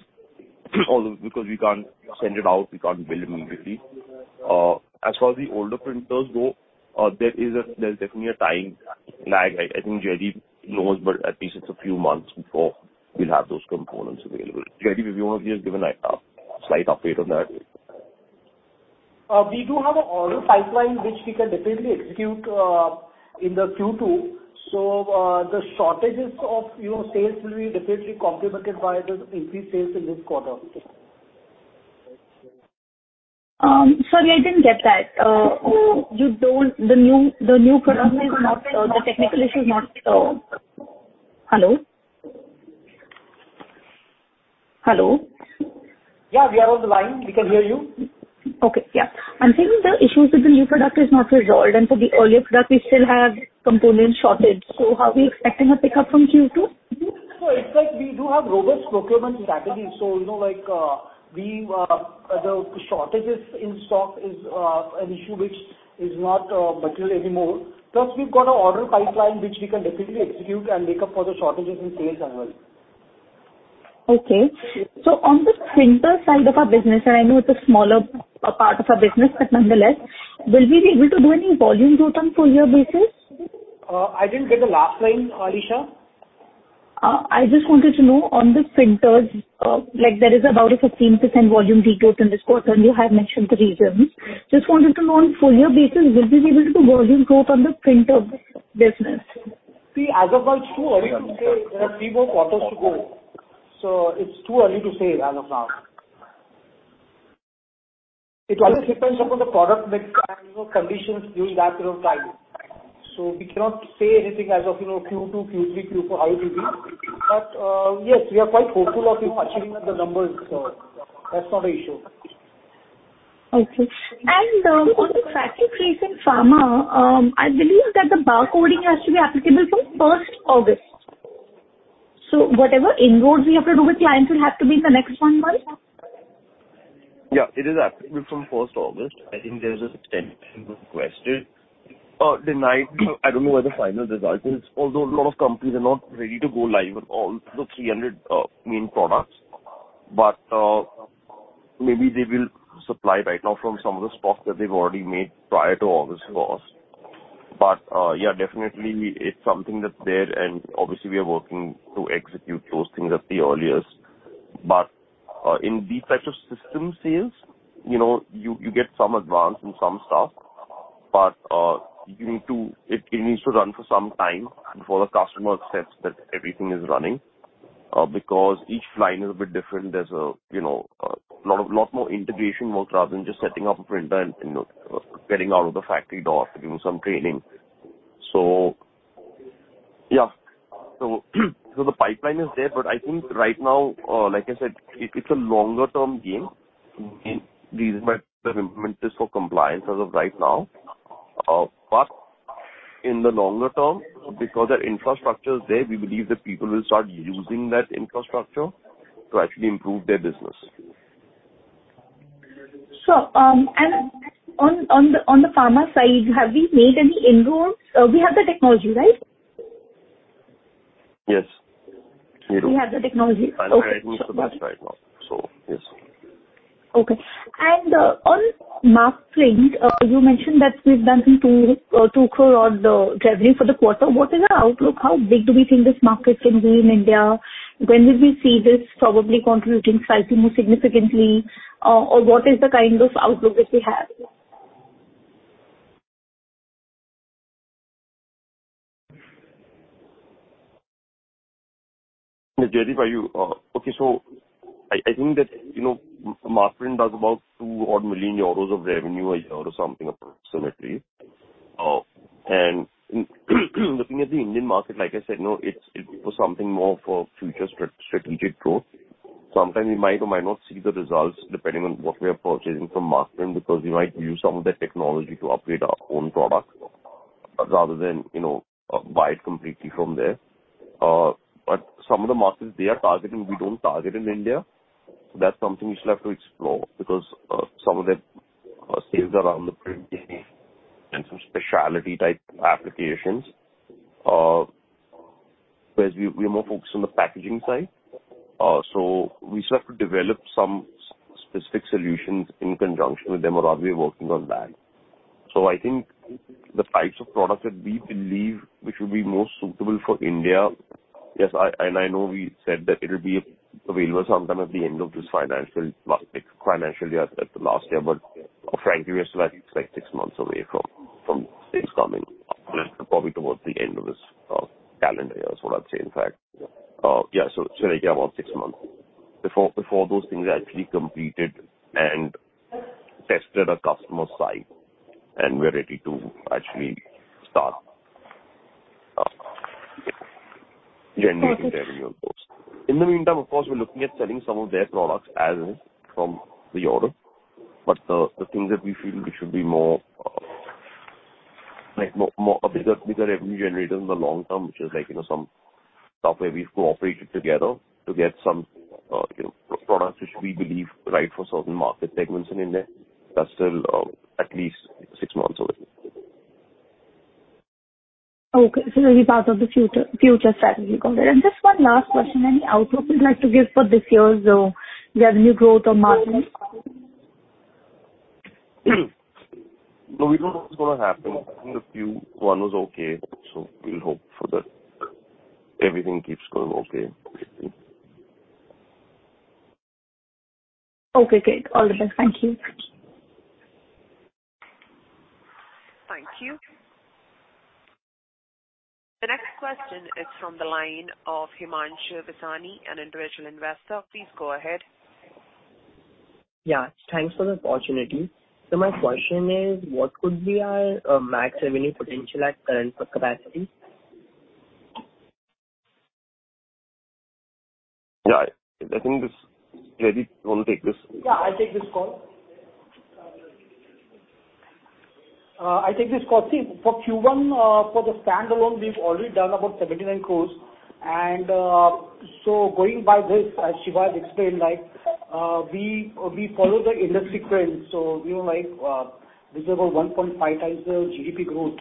although because we can't send it out, we can't build immediately. As far as the older printers go, there is a, there's definitely a time lag. I think Jaideep knows, but at least it's a few months before we'll have those components available. Jaideep, if you want to just give a, a slight update on that. We do have a order pipeline, which we can definitely execute in the Q2. The shortages of, you know, sales will be definitely complemented by the increased sales in this quarter. Sorry, I didn't get that. Hello? Hello? Yeah, we are on the line. We can hear you. Okay. Yeah. I'm saying the issues with the new product is not resolved, and for the earlier product, we still have component shortage. Are we expecting a pickup from Q2? No, it's like we do have robust procurement strategy. So, you know, like, we, the shortages in stock is an issue which is not material anymore. Plus, we've got a order pipeline, which we can definitely execute and make up for the shortages in sales as well. On the printer side of our business, I know it's a smaller, part of our business, but nonetheless, will we be able to do any volume growth on full year basis? I didn't get the last line, Alisha. I just wanted to know on the printers, like there is about a 15% volume decrease in this quarter. You have mentioned the reasons. Just wanted to know, on full year basis, will we be able to do volume growth on the printer business? See, as of now, it's too early to say. There are three more quarters to go, so it's too early to say as of now. It always depends upon the product mix and, you know, conditions will wrap around time. We cannot say anything as of, you know, Q2, Q3, Q4, how it will be. Yes, we are quite hopeful of, you know, achieving the numbers. That's not an issue. Okay. On the Track and Trace in pharma, I believe that the coding and marking has to be applicable from 1st August. Whatever inroads we have to do with clients will have to be the next 1 month? Yeah, it is applicable from first August. I think there's an extension requested or denied. I don't know what the final result is, although a lot of companies are not ready to go live on all the 300 main products. Maybe they will supply right now from some of the stocks that they've already made prior to August 1st. Yeah, definitely it's something that's there, and obviously we are working to execute those things at the earliest. In these types of system sales, you know, you, you get some advance in some stuff, but you need to. It, it needs to run for some time before the customer accepts that everything is running, because each line is a bit different. There's a, you know, lot of, lot more integration work rather than just setting up a printer and, you know, getting out of the factory door, giving some training. Yeah. The pipeline is there, but I think right now, like I said, it-it's a longer term game. These are the implementers for compliance as of right now. But in the longer term, because their infrastructure is there, we believe that people will start using that infrastructure to actually improve their business. On, on the, on the pharma side, have we made any inroads? We have the technology, right? Yes, we do. We have the technology. Okay. I think so that's right now, yes. Okay. On Markprint, you mentioned that we've done some 2 crore on the revenue for the quarter. What is our outlook? How big do we think this market can be in India? When will we see this probably contributing slightly more significantly, or what is the kind of outlook that we have? Jaideep, are you. I, I think that, you know, Markprint does about 2 million euros of revenue a year or something, approximately. Looking at the Indian market, like I said, you know, it's, it was something more for future strategic growth. Sometime we might or might not see the results depending on what we are purchasing from Markprint, because we might use some of their technology to upgrade our own products rather than, you know, buy it completely from there. Some of the markets they are targeting, we don't target in India. That's something we still have to explore because some of their sales are around the printing and some specialty type applications. Whereas we, we are more focused on the packaging side. We still have to develop some specific solutions in conjunction with them, and obviously we're working on that. I think the types of products that we believe which will be most suitable for India. Yes, I, and I know we said that it'll be available sometime at the end of this financial year, at, at the last year, but frankly, we are still, I think, like 6 months away from, from things coming, probably towards the end of this calendar year is what I'd say. In fact, should take about 6 months before, before those things are actually completed and tested at customer site, and we're ready to actually start generating revenue of course. In the meantime, of course, we're looking at selling some of their products as is from the order. The thing that we feel it should be more, like more, more a bigger, bigger revenue generator in the long term, which is like, you know, some stuff where we've cooperated together to get some, you know, pro-products which we believe right for certain market segments in India. That's still, at least six months away. Okay. It'll be part of the future, future strategy going there. Just 1 last question, any outlook you'd like to give for this year's revenue growth or margin? No, we don't know what's gonna happen. I think the Q1 was okay. We'll hope for that. Everything keeps going okay, basically. Okay, great. All the best. Thank you. Thank you. The next question is from the line of Himanshu Vasani, an individual investor. Please go ahead. Yeah, thanks for the opportunity. My question is: What could be our max revenue potential at current capacity? Yeah, I think this. Jaideep, you want to take this? Yeah, I'll take this call. I take this call. See, for Q1, for the standalone, we've already done about 79 crore. Going by this, as Shiva has explained, like, we, we follow the industry trends, so, you know, like, this is about 1.5 times the GDP growth.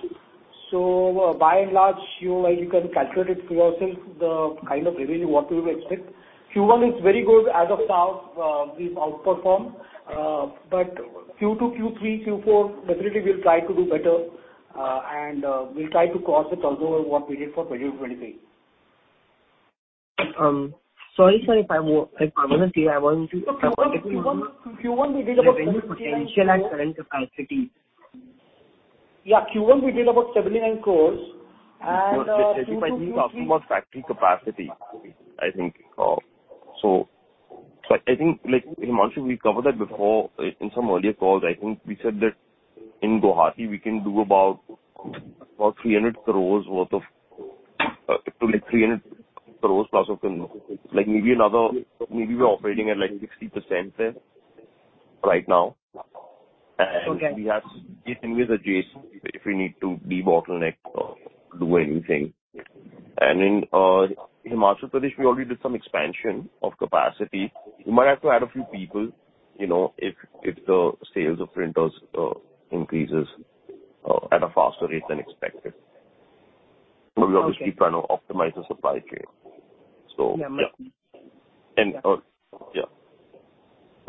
By and large, you know, like you can calculate it yourself, the kind of revenue what we will expect. Q1 is very good. As of now, we've outperformed, but Q2, Q3, Q4, definitely we'll try to do better, and, we'll try to cross the turnover what we did for 2023. Sorry, sir, if I if I wouldn't say I want to. Q1, Q1, we did about Revenue potential at current capacity. Yeah, Q1, we did about 79 crore, Q2, Q3- He's asking about factory capacity, I think. I think, like, Himanshu, we covered that before in some earlier calls. I think we said that in Guwahati we can do about, about 300 crore worth of, like 300 crore+ of. Maybe we're operating at, like, 60% there right now. Okay. We have significantly adjacent if we need to de-bottleneck or do anything. In Himachal Pradesh, we already did some expansion of capacity. We might have to add a few people, you know, if, if the sales of printers increases at a faster rate than expected. Okay. We're obviously trying to optimize the supply chain. Yeah. Yeah. Yeah.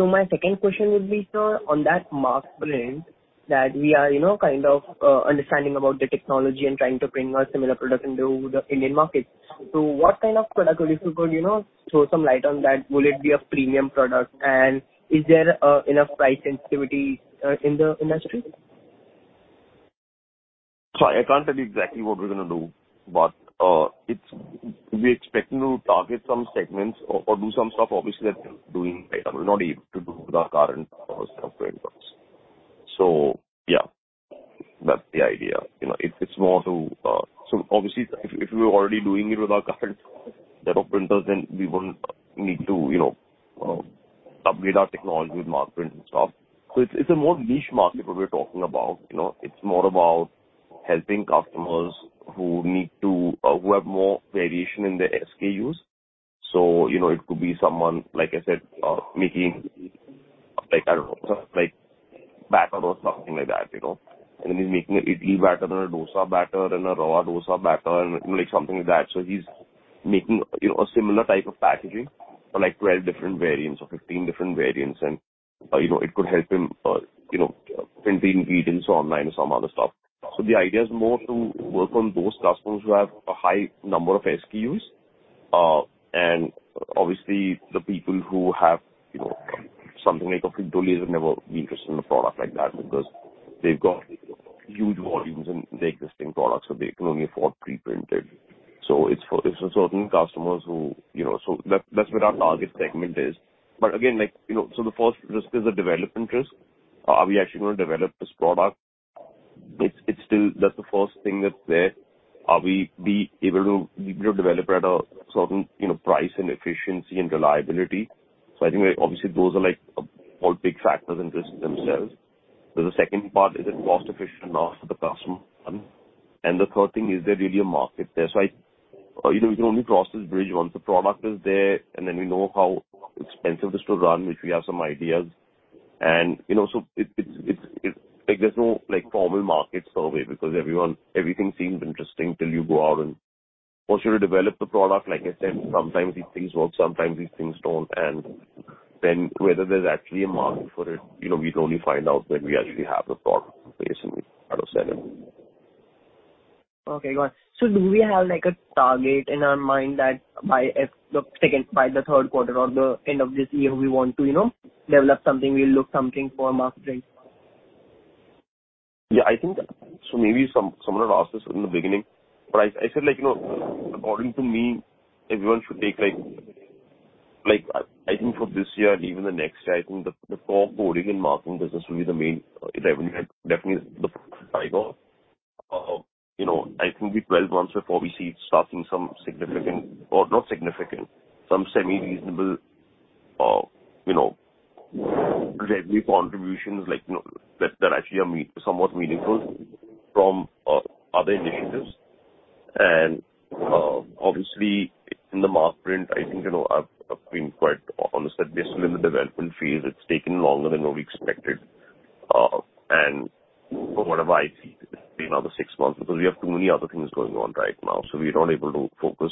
My second question would be, sir, on that Markprint, that we are, you know, kind of, understanding about the technology and trying to bring a similar product into the Indian market. What kind of product would you could, you know, throw some light on that? Will it be a premium product, and is there enough price sensitivity in the industry? I can't tell you exactly what we're gonna do, but it's. We're expecting to target some segments or, or do some stuff obviously that doing item, we're not able to do with our current power stuff printers. Yeah, that's the idea. You know, it, it's more to. Obviously, if, if we were already doing it with our current set of printers, then we wouldn't need to, you know, upgrade our technology with Markprint and stuff. It's, it's a more niche market what we're talking about, you know? It's more about helping customers who need to, who have more variation in their SKUs. You know, it could be someone, like I said, making, like, I don't know, like batter or something like that, you know. He's making a idli batter and a dosa batter and a rava dosa batter and, like, something like that. He's making, you know, a similar type of packaging for, like, 12 different variants or 15 different variants and, you know, it could help him, you know, print the ingredients online or some other stuff. The idea is more to work on those customers who have a high number of SKUs. Obviously, the people who have, you know, something like a Nestlé would never be interested in a product like that because they've got huge volumes in the existing products, so they can only afford pre-printed. It's for, it's for certain customers who, you know. That, that's what our target segment is. Again, like, you know, the first risk is a development risk. Are we actually gonna develop this product? It's, it's still, that's the first thing that's there. Are we be able to be able to develop at a certain, you know, price and efficiency and reliability? I think, obviously, those are, like, all big factors and risks themselves. The second part, is it cost efficient enough for the customer? The third thing, is there really a market there? I, you know, you can only cross this bridge once the product is there, and then we know how expensive this will run, which we have some ideas. You know, so it's, it's, it's. Like, there's no, like, formal market survey because everything seems interesting till you go out and once you develop the product, like I said, sometimes these things work, sometimes these things don't. Then whether there's actually a market for it, you know, we can only find out when we actually have the product basically out of seven. Okay, got it. Do we have, like, a target in our mind that by the second, by the third quarter or the end of this year, we want to, you know, develop something, we'll look something for market range? Yeah, I think so maybe someone had asked this in the beginning, but I, I said, like, you know, according to me, everyone should take, like. Like, I think for this year and even the next year, I think the, the core coding and marking business will be the main revenue, definitely the target. You know, I think it'll be 12 months before we see it starting some significant, or not significant, some semi-reasonable, you know, revenue contributions, like, you know, that, that actually are somewhat meaningful from other initiatives. Obviously, in the Markprint, I think, you know, I've, I've been quite honest that we're still in the development phase. It's taken longer than what we expected. From what I see, it'll be another 6 months, because we have too many other things going on right now, so we are not able to focus,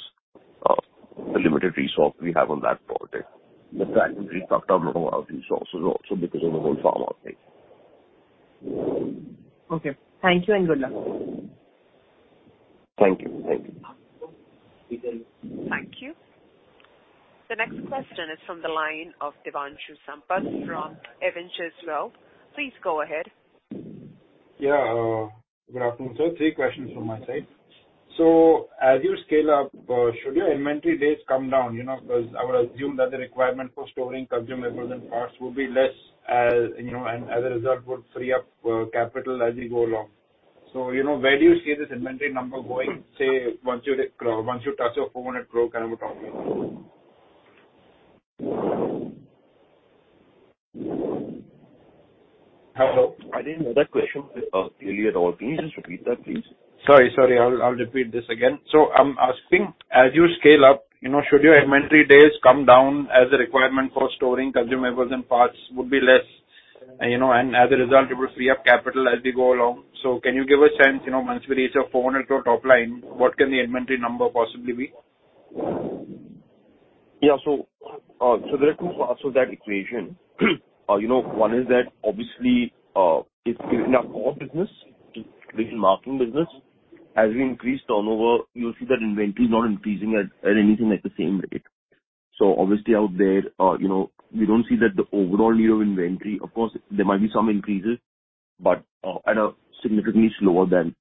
the limited resource we have on that project. The track has sucked up a lot of our resources also because of the whole pharma thing. Okay. Thank you, and good luck. Thank you. Thank you. Thank you. The next question is from the line of Devanshu Sampat from Avendus. Please go ahead. Yeah, good afternoon, sir. Three questions from my side. As you scale up, should your inventory days come down? You know, because I would assume that the requirement for storing consumables and parts would be less, as, you know, and as a result, would free up capital as you go along. You know, where do you see this inventory number going, say, once you hit once you touch your INR 400 crore kind of a topic? I didn't hear that question, clearly at all. Can you just repeat that, please? Sorry, sorry. I'll, I'll repeat this again. I'm asking, as you scale up, you know, should your inventory days come down as the requirement for storing consumables and parts would be less, and, you know, and as a result, it will free up capital as we go along. Can you give a sense, you know, once we reach a 400 crore top line, what can the inventory number possibly be? There are two parts to that equation. You know, one is that obviously, if in our core business, the marketing business, as we increase turnover, you'll see that inventory is not increasing at anything like the same rate. Obviously out there, you know, we don't see that the overall level of inventory, of course, there might be some increases, but at a significantly slower than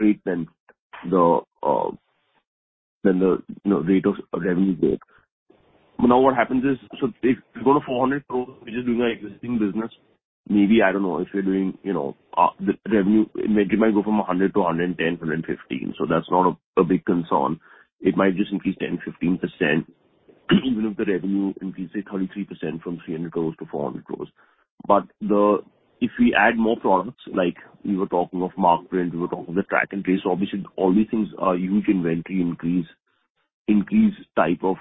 rate than the, than the, you know, rate of revenue there. What happens is, if we go to 400 crore, we're just doing our existing business, maybe, I don't know, if you're doing, you know, the revenue, it might, it might go from 100-110, 115. That's not a big concern. It might just increase 10-15%, even if the revenue increases 33% from 300 crore to 400 crore. If we add more products, like we were talking of Markprint, we were talking of the Track and Trace, obviously, all these things are huge inventory increase, increase type of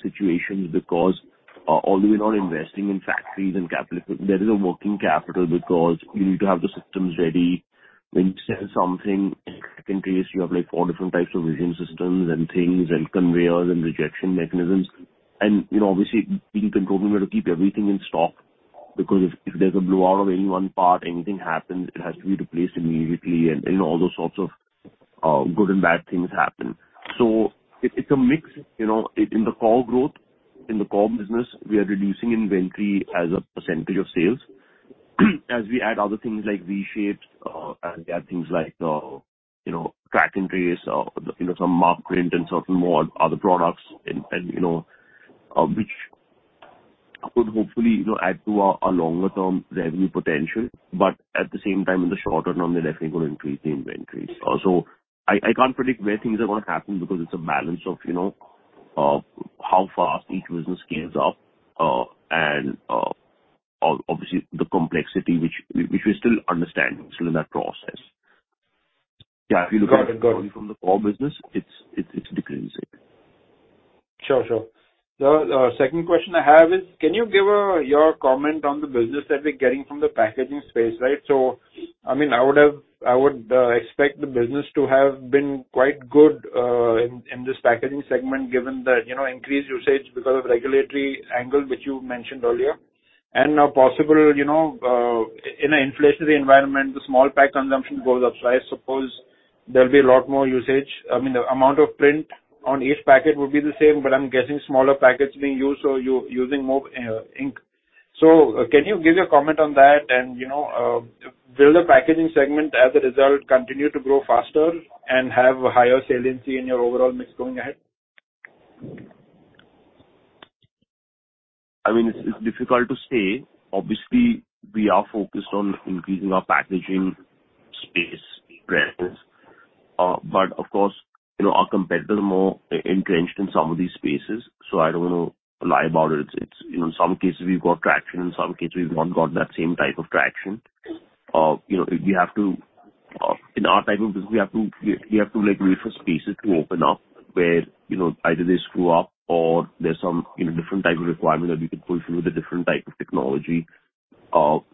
situations because, although we're not investing in factories and capital, there is a working capital because you need to have the systems ready. When something, in Track and Trace, you have, like, four different types of vision systems and things and conveyors and rejection mechanisms, and, you know, obviously, you need to control them, you have to keep everything in stock, because if, if there's a blowout of any one part, anything happens, it has to be replaced immediately, and, and all those sorts of good and bad things happen. It, it's a mix, you know. In, in the core growth, in the core business, we are reducing inventory as a percentage of sales. As we add other things like V-Shapes, and we add things like, you know, Track and Trace, you know, some Markprint and certain more other products and, and, you know, which could hopefully, you know, add to our, our longer term revenue potential. At the same time, in the shorter term, they're definitely going to increase the inventory. I, I can't predict where things are going to happen because it's a balance of, you know, of how fast each business scales up, and, obviously, the complexity which, which we're still understanding, still in that process. Yeah, if you look at it. Got it. Got it. from the core business, it's decreasing. Sure. Sure. The second question I have is: Can you give your comment on the business that we're getting from the packaging space, right? I mean, I would expect the business to have been quite good in this packaging segment, given the, you know, increased usage because of regulatory angle, which you mentioned earlier. Now possible, you know, in a inflationary environment, the small pack consumption goes up. I suppose there'll be a lot more usage. I mean, the amount of print on each packet would be the same, but I'm guessing smaller packets being used, so you're using more ink. Can you give your comment on that? You know, will the packaging segment, as a result, continue to grow faster and have a higher saliency in your overall mix going ahead? It's, it's difficult to say. Obviously, we are focused on increasing our packaging space presence. Of course, you know, our competitor more e-entrenched in some of these spaces, so I don't want to lie about it. It's, you know, in some cases we've got traction, in some cases we've not got that same type of traction. You know, we have to, in our type of business, we have to, we have to, like, wait for spaces to open up where, you know, either they screw up or there's some, you know, different type of requirement that we can push through with a different type of technology. That's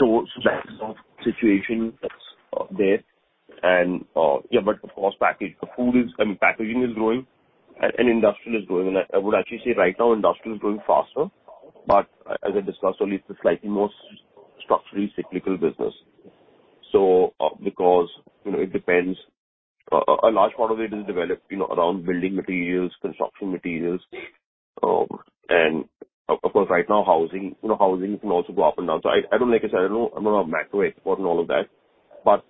the situation that's, there. Yeah, but of course, package, the food is... I mean, packaging is growing and, and industrial is growing. I, I would actually say right now, industrial is growing faster, but as I discussed earlier, it's a slightly more structurally cyclical business. Because, you know, it depends. A large part of it is developed, you know, around building materials, construction materials, and of, of course, right now, housing. You know, housing can also go up and down. I, I don't know, like I said, I don't know, I'm not a macro expert on all of that, but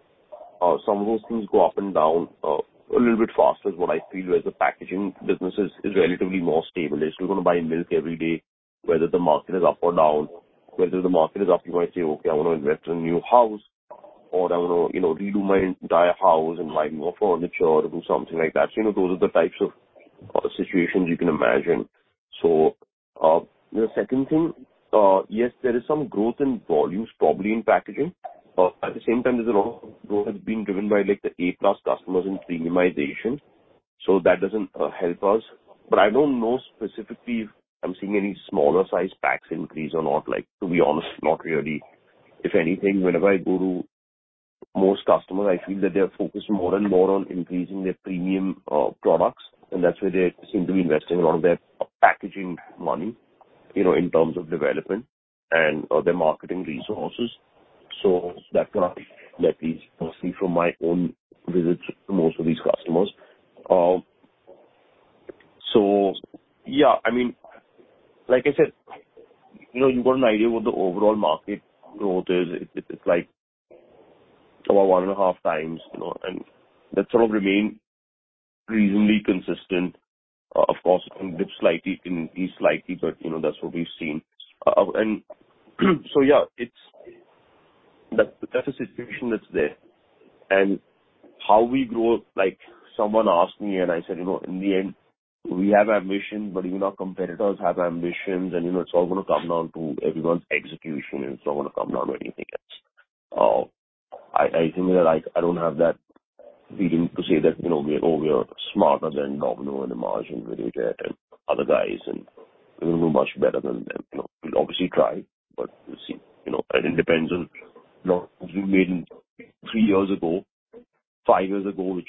some of those things go up and down a little bit faster is what I feel, whereas the packaging business is, is relatively more stable. You're still gonna buy milk every day, whether the market is up or down. Whether the market is up, you might say, "Okay, I want to invest in a new house, or I want to, you know, redo my entire house and buy new furniture or do something like that." You know, those are the types of situations you can imagine. The second thing, yes, there is some growth in volumes, probably in packaging. At the same time, there's a lot of growth that's being driven by, like, the A-plus customers in premiumization, so that doesn't help us. I don't know specifically if I'm seeing any smaller size packs increase or not. Like, to be honest, not really. If anything, whenever I go to most customers, I feel that they are focused more and more on increasing their premium products, and that's where they seem to be investing a lot of their packaging money, you know, in terms of development and their marketing resources. That kind of at least personally from my own visits to most of these customers. Yeah, I mean, like I said, you know, you've got an idea what the overall market growth is. It, it, it's like about 1.5 times, you know, and that sort of remain reasonably consistent. Of course, it can dip slightly, it can increase slightly, but, you know, that's what we've seen. Yeah. That, that's the situation that's there. How we grow, like, someone asked me and I said, "You know, in the end, we have ambition, but even our competitors have ambitions, and, you know, it's all gonna come down to everyone's execution, and it's not gonna come down to anything else." I, I think that I, I don't have that feeling to say that, you know, we are, we are smarter than Domino and Marg and Videojet and other guys, and we're much better than them. You know, we'll obviously try, but we'll see. It depends on, you know, what we made three years ago, five years ago, which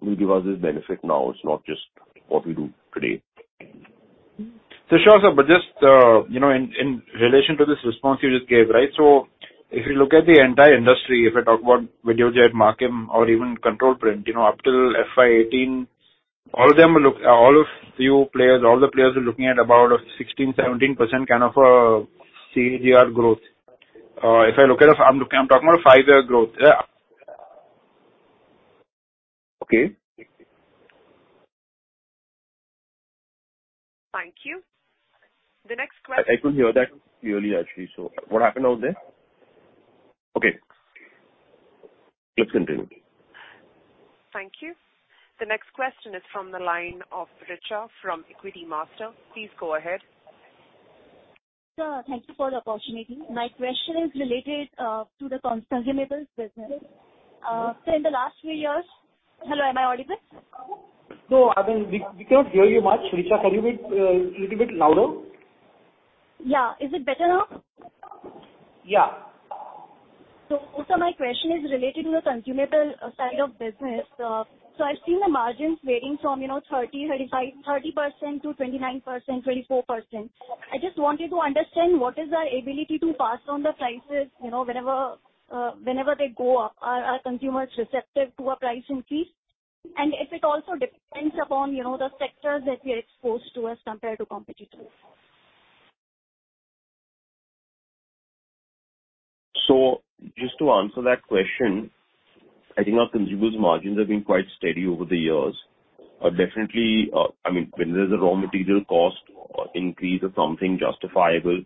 will give us this benefit now. It's not just what we do today. Sure, sir, but just, you know, in, in relation to this response you just gave, right? If you look at the entire industry, if I talk about Videojet, Markem-Imaje, or even Control Print, you know, up till FY 2018, all of them look all of you players, all the players are looking at about a 16%, 17% kind of a CAGR growth. If I look at the... I'm talking about a five-year growth. Yeah. Okay. Thank you. The next question I could hear that clearly, actually. What happened out there? Okay. Let's continue. Thank you. The next question is from the line of Richa from Equitymaster. Please go ahead. Sir, thank you for the opportunity. My question is related to the consumables business. In the last 3 years. Hello, am I audible? No, I mean, we, we cannot hear you much, Richa. Can you be a little bit louder? Yeah. Is it better now? Yeah. Sir, my question is related to the consumable side of business. I've seen the margins varying from, you know, 30%, 35%, 30% to 29%, 24%. I just wanted to understand, what is our ability to pass on the prices, you know, whenever whenever they go up? Are, are consumers receptive to a price increase? If it also depends upon, you know, the sectors that we are exposed to as compared to competitors. Just to answer that question, I think our consumables margins have been quite steady over the years. Definitely, I mean, when there's a raw material cost or increase or something justifiable,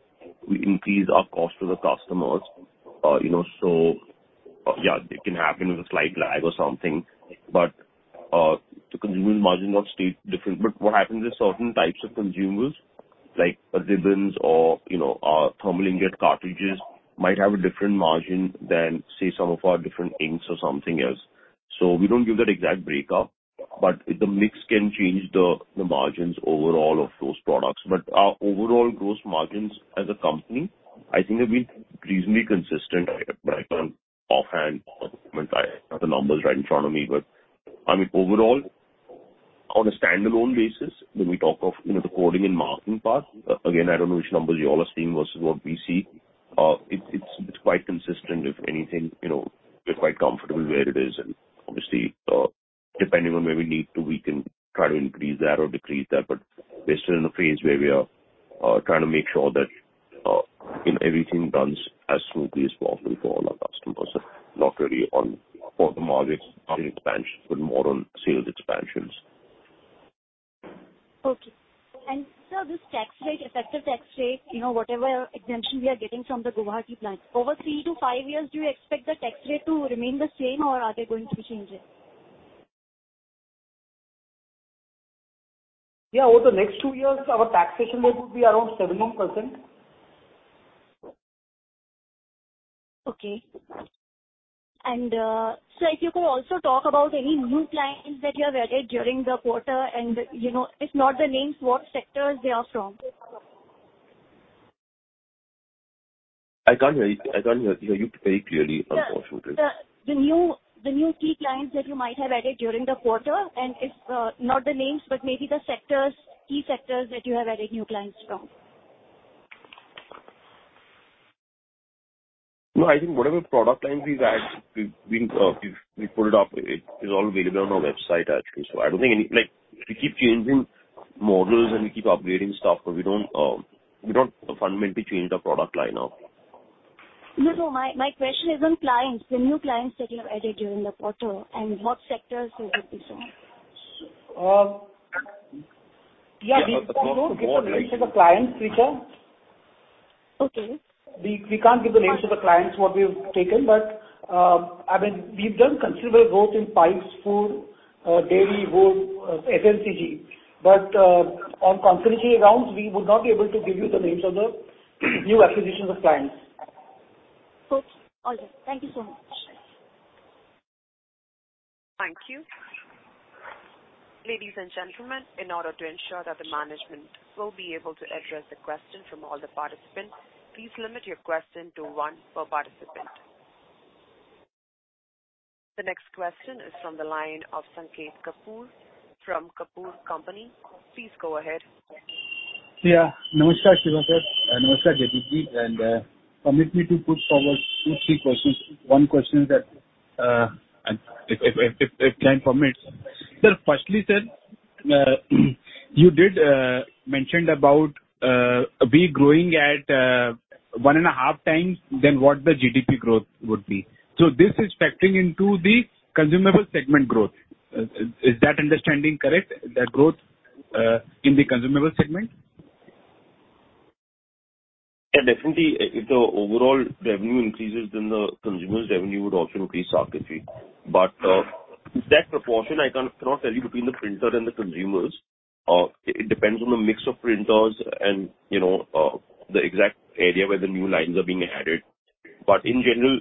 we increase our cost to the customers. You know, yeah, it can happen with a slight lag or something, but the consumable margin will stay different. What happens is certain types of consumables, like ribbons or, you know, thermal inkjet cartridges, might have a different margin than, say, some of our different inks or something else. We don't give that exact breakup, but the mix can change the, the margins overall of those products. Our overall gross margins as a company, I think have been reasonably consistent. Right now, offhand, I have the numbers right in front of me, but I mean, overall, on a standalone basis, when we talk of, you know, the coding and marking part, again, I don't know which numbers you all are seeing versus what we see. It's, it's, it's quite consistent. If anything, you know, we're quite comfortable where it is, and obviously, depending on where we need to, we can try to increase that or decrease that. We're still in a phase where we are, trying to make sure that... and everything runs as smoothly as possible for all our customers, not really on for the market expansion, but more on sales expansions. Okay. Sir, this tax rate, effective tax rate, you know, whatever exemption we are getting from the Guwahati plant, over three to five years, do you expect the tax rate to remain the same or are they going to be changing? Yeah, over the next two years, our taxation rate would be around 17%. Okay. Sir, if you could also talk about any new clients that you have added during the quarter, and, you know, if not the names, what sectors they are from? I can't hear you. I can't hear you very clearly on our side. Sir, the new, the new key clients that you might have added during the quarter, and if, not the names, but maybe the sectors, key sectors that you have added new clients from? No, I think whatever product lines we've added, we've, we've, we've pulled it up. It is all available on our website actually, so I don't think any. Like, we keep changing models, and we keep upgrading stuff, but we don't, we don't fundamentally change the product line now. No, no. My, my question is on clients, the new clients that you have added during the quarter and what sectors would it be from? Yeah, we can go give the names of the clients, Richa. Okay. We, we can't give the names of the clients what we've taken, but, I mean, we've done considerable growth in pipes, food, dairy, wood, FMCG. On confidentiality grounds, we would not be able to give you the names of the new acquisitions of clients. Okay. All right. Thank you so much. Thank you. Ladies and gentlemen, in order to ensure that the management will be able to address the question from all the participants, please limit your question to one per participant. The next question is from the line of Sanket Kapoor from Kapoor & Company. Please go ahead. Yeah. Namaskar, Shiva sir, and namaskar, Jagdeep ji, and permit me to put forward two, three questions. One question is that if client permits. Sir, firstly, sir, you did mentioned about we growing at 1.5 times than what the GDP growth would be. This is factoring into the consumable segment growth. Is that understanding correct, the growth in the consumable segment? Yeah, definitely, if the overall revenue increases, then the consumer's revenue would also increase, Saket ji. That proportion, I can't, cannot tell you between the printer and the consumers. It depends on the mix of printers and, you know, the exact area where the new lines are being added. In general,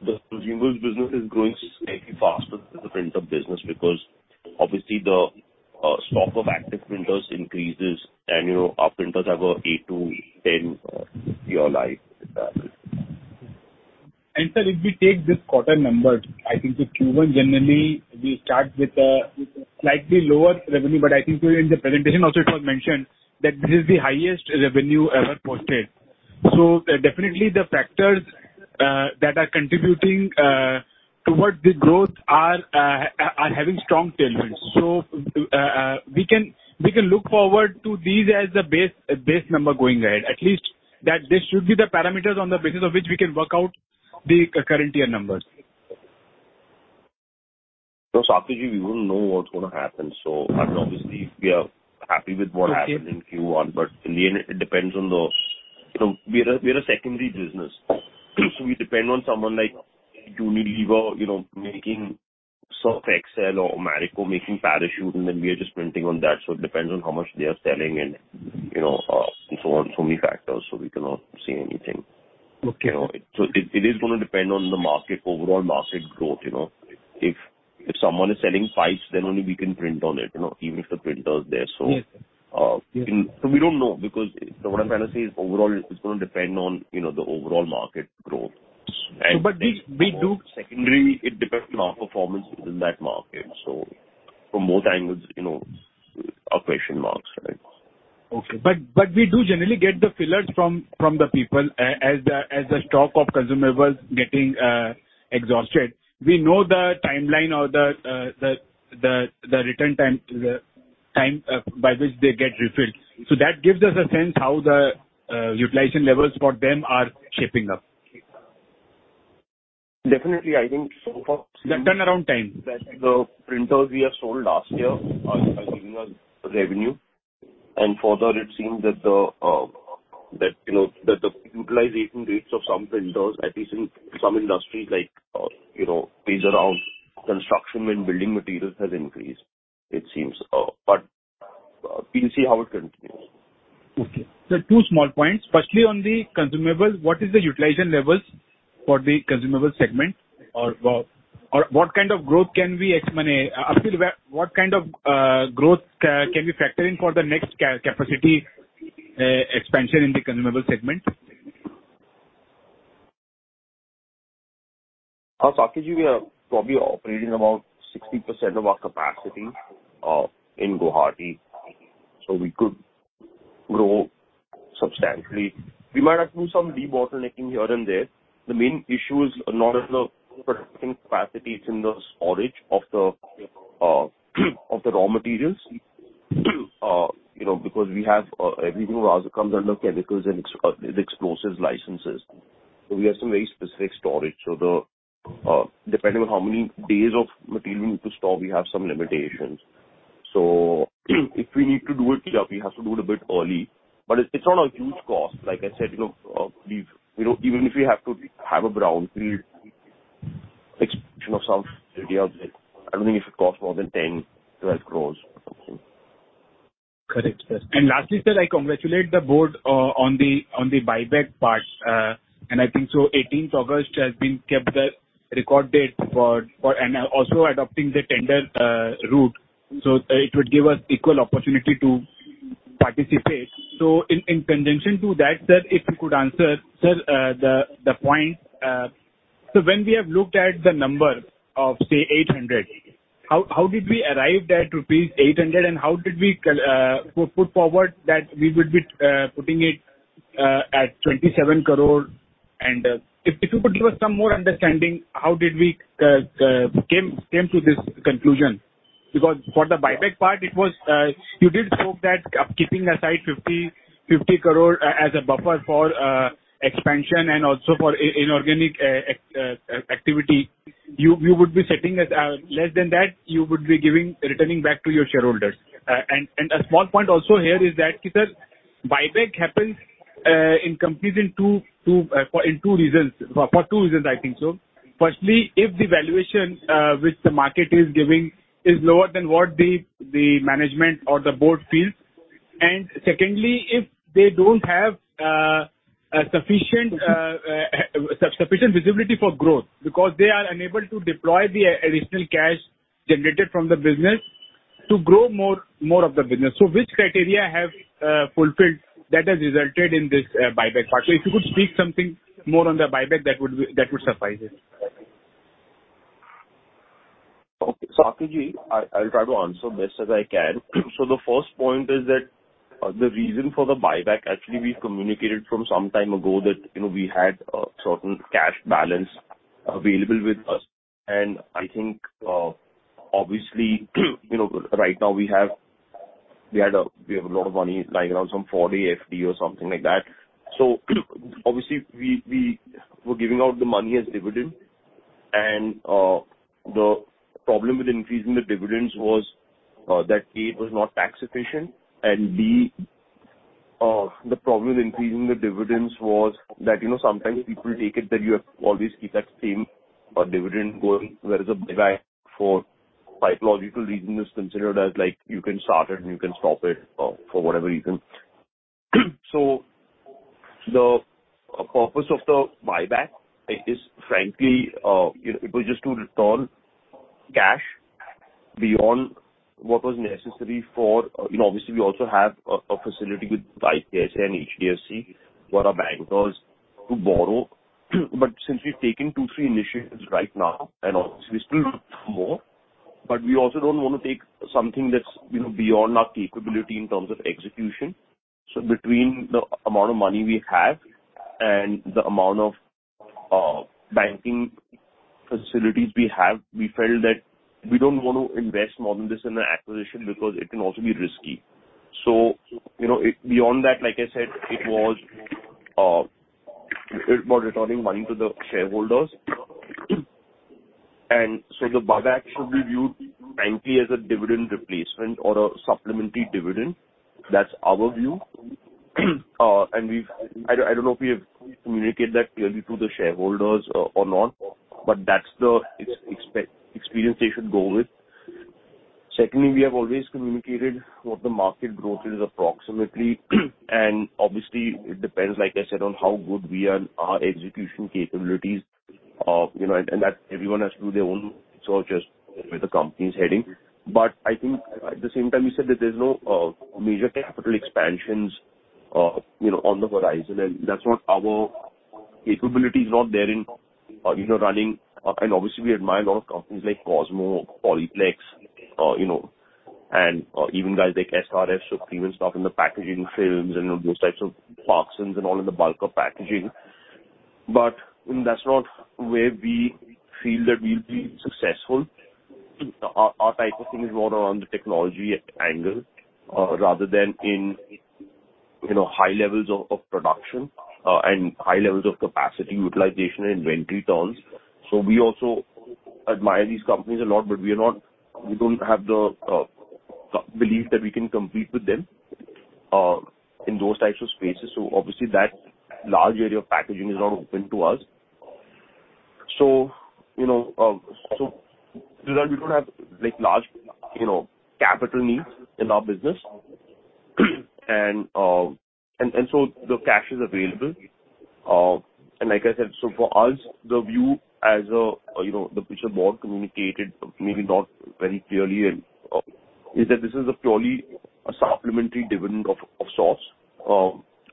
the consumers business is growing slightly faster than the printer business, because obviously the stock of active printers increases, and, you know, our printers have a 8-10 year life. Sir, if we take this quarter number, I think the Q1 generally, we start with a slightly lower revenue, but I think during the presentation also it was mentioned that this is the highest revenue ever posted. Definitely the factors that are contributing towards the growth are having strong tailwinds. We can, we can look forward to these as the base, base number going ahead. At least that this should be the parameters on the basis of which we can work out the current year numbers. No, Saket ji, we don't know what's going to happen, so and obviously, we are happy with what- Okay. happened in Q1. In the end, it depends on those. You know, we're a, we're a secondary business. We depend on someone like Unilever, you know, making Surf Excel or Marico making Parachute. Then we are just printing on that. It depends on how much they are selling and, you know, and so on, so many factors. We cannot say anything. Okay. You know, it, it is going to depend on the market, overall market growth, you know. If, if someone is selling pipes, then only we can print on it, you know, even if the printer is there. Yes. We don't know because what I'm trying to say is overall, it's going to depend on, you know, the overall market growth. So but we, we do- Secondarily, it depends on our performance within that market. From all angles, you know, are question marks, right? We do generally get the fillers from, from the people as the, as the stock of consumables getting exhausted. We know the timeline or the return time, the time by which they get refilled. That gives us a sense how the utilization levels for them are shaping up. Definitely, I think so far The turnaround time. The printers we have sold last year are giving us revenue. Further, it seems that the, that, you know, that the utilization rates of some printers, at least in some industries like, you know, things around construction and building materials, has increased, it seems, but we'll see how it continues. Okay. Sir, two small points. Firstly, on the consumables, what is the utilization levels for the consumable segment? Or what kind of growth can we estimate, what kind of growth can we factor in for the next capacity expansion in the consumable segment? Saket ji, we are probably operating about 60% of our capacity in Guwahati, so we could grow substantially. We might have to do some debottlenecking here and there. The main issue is not on the producing capacities in the storage of the raw materials. You know, because we have everything rather comes under chemicals and explosives licenses. We have some very specific storage. The, depending on how many days of material we need to store, we have some limitations. If we need to do it, yeah, we have to do it a bit early, but it, it's not a huge cost. Like I said, you know, we've, you know, even if we have to have a brownfield expansion of some area of it, I don't think it should cost more than 10-12 crore or something. Correct, yes. Lastly, sir, I congratulate the board on the, on the buyback part. I think so 18th August has been kept the record date for, for. Also adopting the tender route, so it would give us equal opportunity to participate. In, in contention to that, sir, if you could answer, sir, the, the point. When we have looked at the number of, say, 800, how, how did we cal- put forward that we would be, putting it, at 27 crore? If, if you could give us some more understanding, how did we, came, came to this conclusion? For the buyback part, it was, you did spoke that keeping aside 50 crore as a buffer for expansion and also for inorganic activity. You would be setting as less than that, you would be giving, returning back to your shareholders. A small point also here is that, sir, buyback happens in companies for two reasons, I think so. Firstly, if the valuation which the market is giving is lower than what the management or the board feels. Secondly, if they don't have a sufficient visibility for growth, because they are unable to deploy the additional cash generated from the business to grow more of the business. Which criteria have fulfilled that has resulted in this buyback part? If you could speak something more on the buyback, that would suffice it. Okay. Akijit, I, I'll try to answer best as I can. The first point is that the reason for the buyback, actually, we've communicated from some time ago that, you know, we had a certain cash balance available with us. I think, obviously, you know, right now we have -- we had a, we have a lot of money lying around, some 40 FD or something like that. Obviously, we, we were giving out the money as dividend. The problem with increasing the dividends was that, A, it was not tax efficient, and, B, the problem with increasing the dividends was that, you know, sometimes people take it that you have to always keep that same dividend going, whereas a buyback for quite logical reason, is considered as, like, you can start it and you can stop it for whatever reason. The purpose of the buyback is frankly, you know, it was just to return cash beyond what was necessary for. You know, obviously, we also have a facility with ICICI and HDFC, who are our bankers, to borrow. Since we're taking two, three initiatives right now, and obviously we still look for more, but we also don't want to take something that's, you know, beyond our capability in terms of execution. Between the amount of money we have and the amount of banking facilities we have, we felt that we don't want to invest more than this in the acquisition because it can also be risky. You know, beyond that, like I said, it was more returning money to the shareholders. The buyback should be viewed frankly as a dividend replacement or a supplementary dividend. That's our view. We've I don't, I don't know if we have communicated that clearly to the shareholders or, or not, but that's the experience they should go with. Secondly, we have always communicated what the market growth is approximately. Obviously, it depends, like I said, on how good we are and our execution capabilities, you know, and, and that everyone has to do their own research where the company is heading. I think at the same time, you said that there's no major capital expansions, you know, on the horizon, and that's not our capability is not there in, you know, running. Obviously, we admire a lot of companies like Cosmo, Polyplex, you know, and even guys like SRF, so even stock in the packaging films and, you know, those types of Parsons and all in the bulk of packaging. You know, that's not where we feel that we'll be successful. Our, our type of thing is more around the technology angle, rather than in, you know, high levels of production, and high levels of capacity utilization and inventory turns. We also admire these companies a lot, but we are not, we don't have the belief that we can compete with them in those types of spaces. Obviously, that large area of packaging is not open to us. You know, so we don't have, like, large, you know, capital needs in our business. The cash is available. Like I said, so for us, the view as a, you know, the future board communicated, maybe not very clearly, and is that this is a purely a supplementary dividend of source,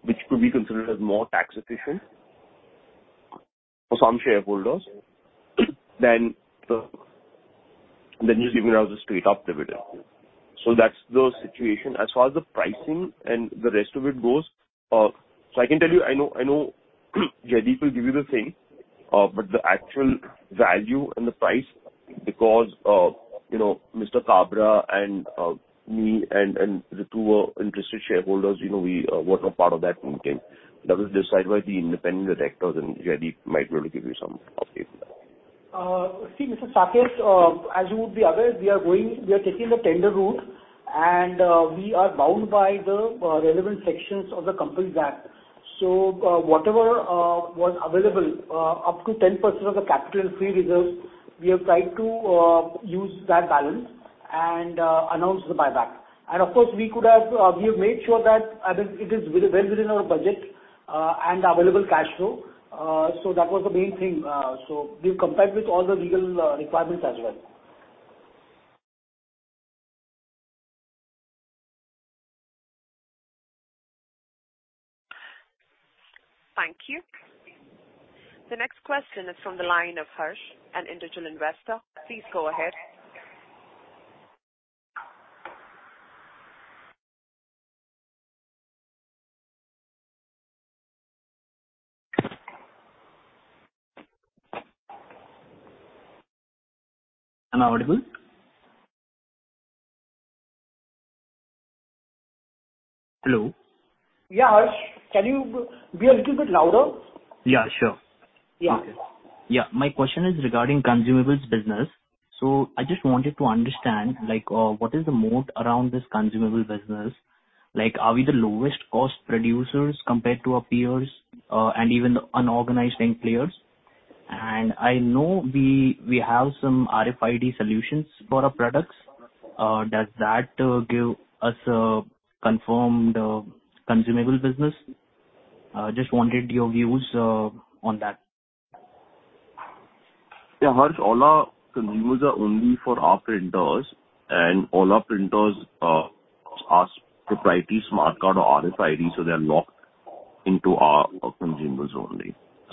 which could be considered as more tax efficient for some shareholders. You give it out as a straight up dividend. That's the situation. As far as the pricing and the rest of it goes, I can tell you, I know, I know Jaideep will give you the same, but the actual value and the price, because, you know, Mr. Kabra and me, and the two interested shareholders, you know, we were not part of that meeting. That was decided by the independent directors, and Jaideep might be able to give you some update on that. See, Mr. Saket, as you would be aware, we are taking the tender route, and we are bound by the relevant sections of the Companies Act. Whatever was available up to 10% of the capital free reserves, we have tried to use that balance and announce the buyback. Of course, we could have, we have made sure that, I mean, it is well within our budget and available cash flow. That was the main thing. We've complied with all the legal requirements as well. Thank you. The next question is from the line of Harsh, an individual investor. Please go ahead. Am I audible? Hello? Yeah, Harsh. Can you be a little bit louder? Yeah, sure. Yeah. Yeah. My question is regarding consumables business. I just wanted to understand, like, what is the moat around this consumable business? Like, are we the lowest cost producers compared to our peers, and even the unorganized end players? I know we, we have some RFID solutions for our products. Does that give us a confirmed, consumable business? Just wanted your views, on that. Yeah, Harsh, all our consumables are only for our printers, and all our printers are proprietary smart card or RFID, so they are locked into our,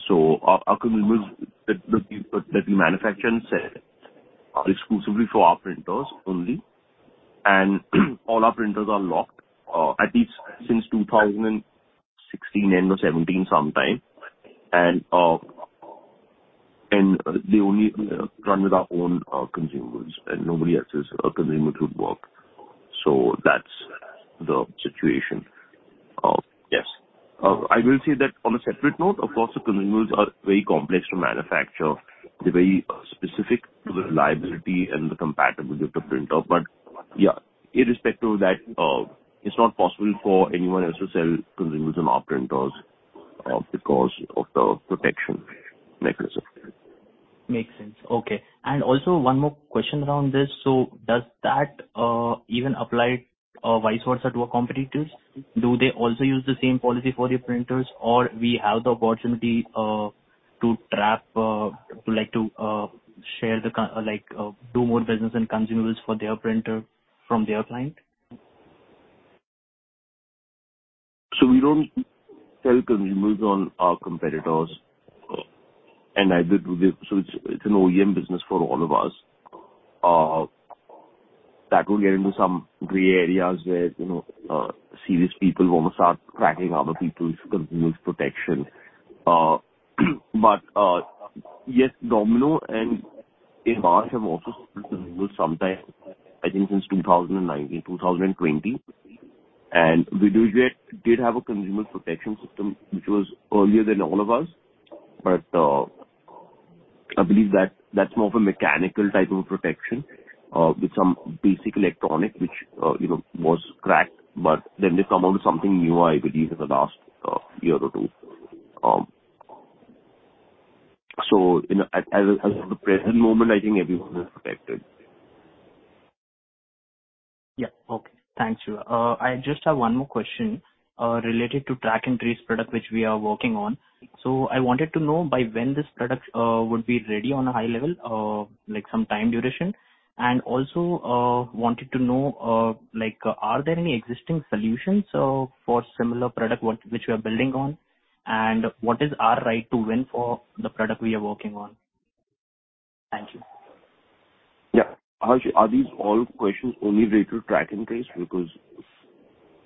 our consumables only. Our, our consumables that, that, that we manufacture and sell are exclusively for our printers only, and all our printers are locked, at least since 2016, end of 2017, sometime. They only run with our own consumables, and nobody else's consumable would work. That's the situation. Yes. I will say that on a separate note, of course, the consumables are very complex to manufacture. They're very specific to the reliability and the compatibility of the printer. Yeah, irrespective of that, it's not possible for anyone else to sell consumables on our printers because of the protection mechanism. Makes sense. Okay. Also one more question around this: so does that even apply vice versa to our competitors? Do they also use the same policy for their printers, or we have the opportunity to trap like to share the co- like do more business and consumables for their printer from their client? We don't sell consumables on our competitors, and neither do they. It's, it's an OEM business for all of us. That will get into some gray areas where, you know, serious people want to start cracking other people's consumers protection. Yes, Domino and Markem-Imaje have also sold consumables sometime, I think, since 2019, 2020. Videojet did have a consumable protection system, which was earlier than all of us, but I believe that that's more of a mechanical type of protection, with some basic electronic, which, you know, was cracked. They come out with something new, I believe, in the last year or two. You know, as of the present moment, I think everyone is protected. Yeah. Okay. Thank you. I just have one more question, related to Track and Trace product, which we are working on. I wanted to know by when this product would be ready on a high level, like some time duration, and also, wanted to know, like, are there any existing solutions for similar product which we are building on, and what is our right to win for the product we are working on? Thank you. Yeah. Harsh, are these all questions only related to Track and Trace because-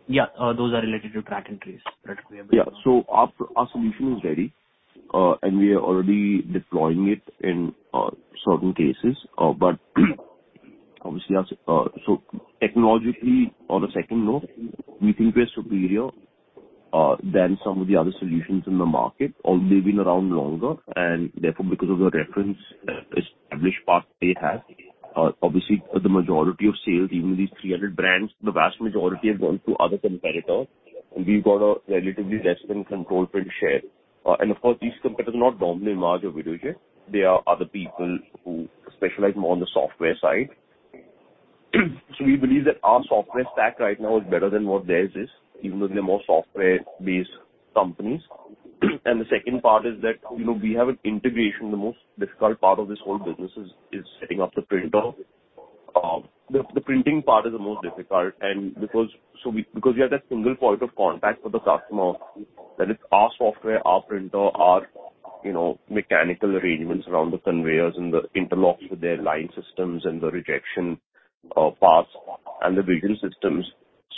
Yeah, those are related to Track and Trace product we are building on. Yeah. Our, our solution is ready, and we are already deploying it in certain cases. Obviously, technologically, on a second note, we think we're superior than some of the other solutions in the market, they've been around longer, therefore, because of the reference established part they have, obviously, the majority of sales, even these 300 brands, the vast majority have gone to other competitors. We've got a relatively less than Control Print share. Of course, these competitors are not Domino, Markem-Imaje, or Videojet. They are other people who specialize more on the software side. We believe that our software stack right now is better than what theirs is, even though they're more software-based companies. The second part is that, you know, we have an integration. The most difficult part of this whole business is, is setting up the printer. The printing part is the most difficult. Because we are that single point of contact for the customer, that is our software, our printer, our, you know, mechanical arrangements around the conveyors and the interlocks with their line systems and the rejection paths and the vision systems.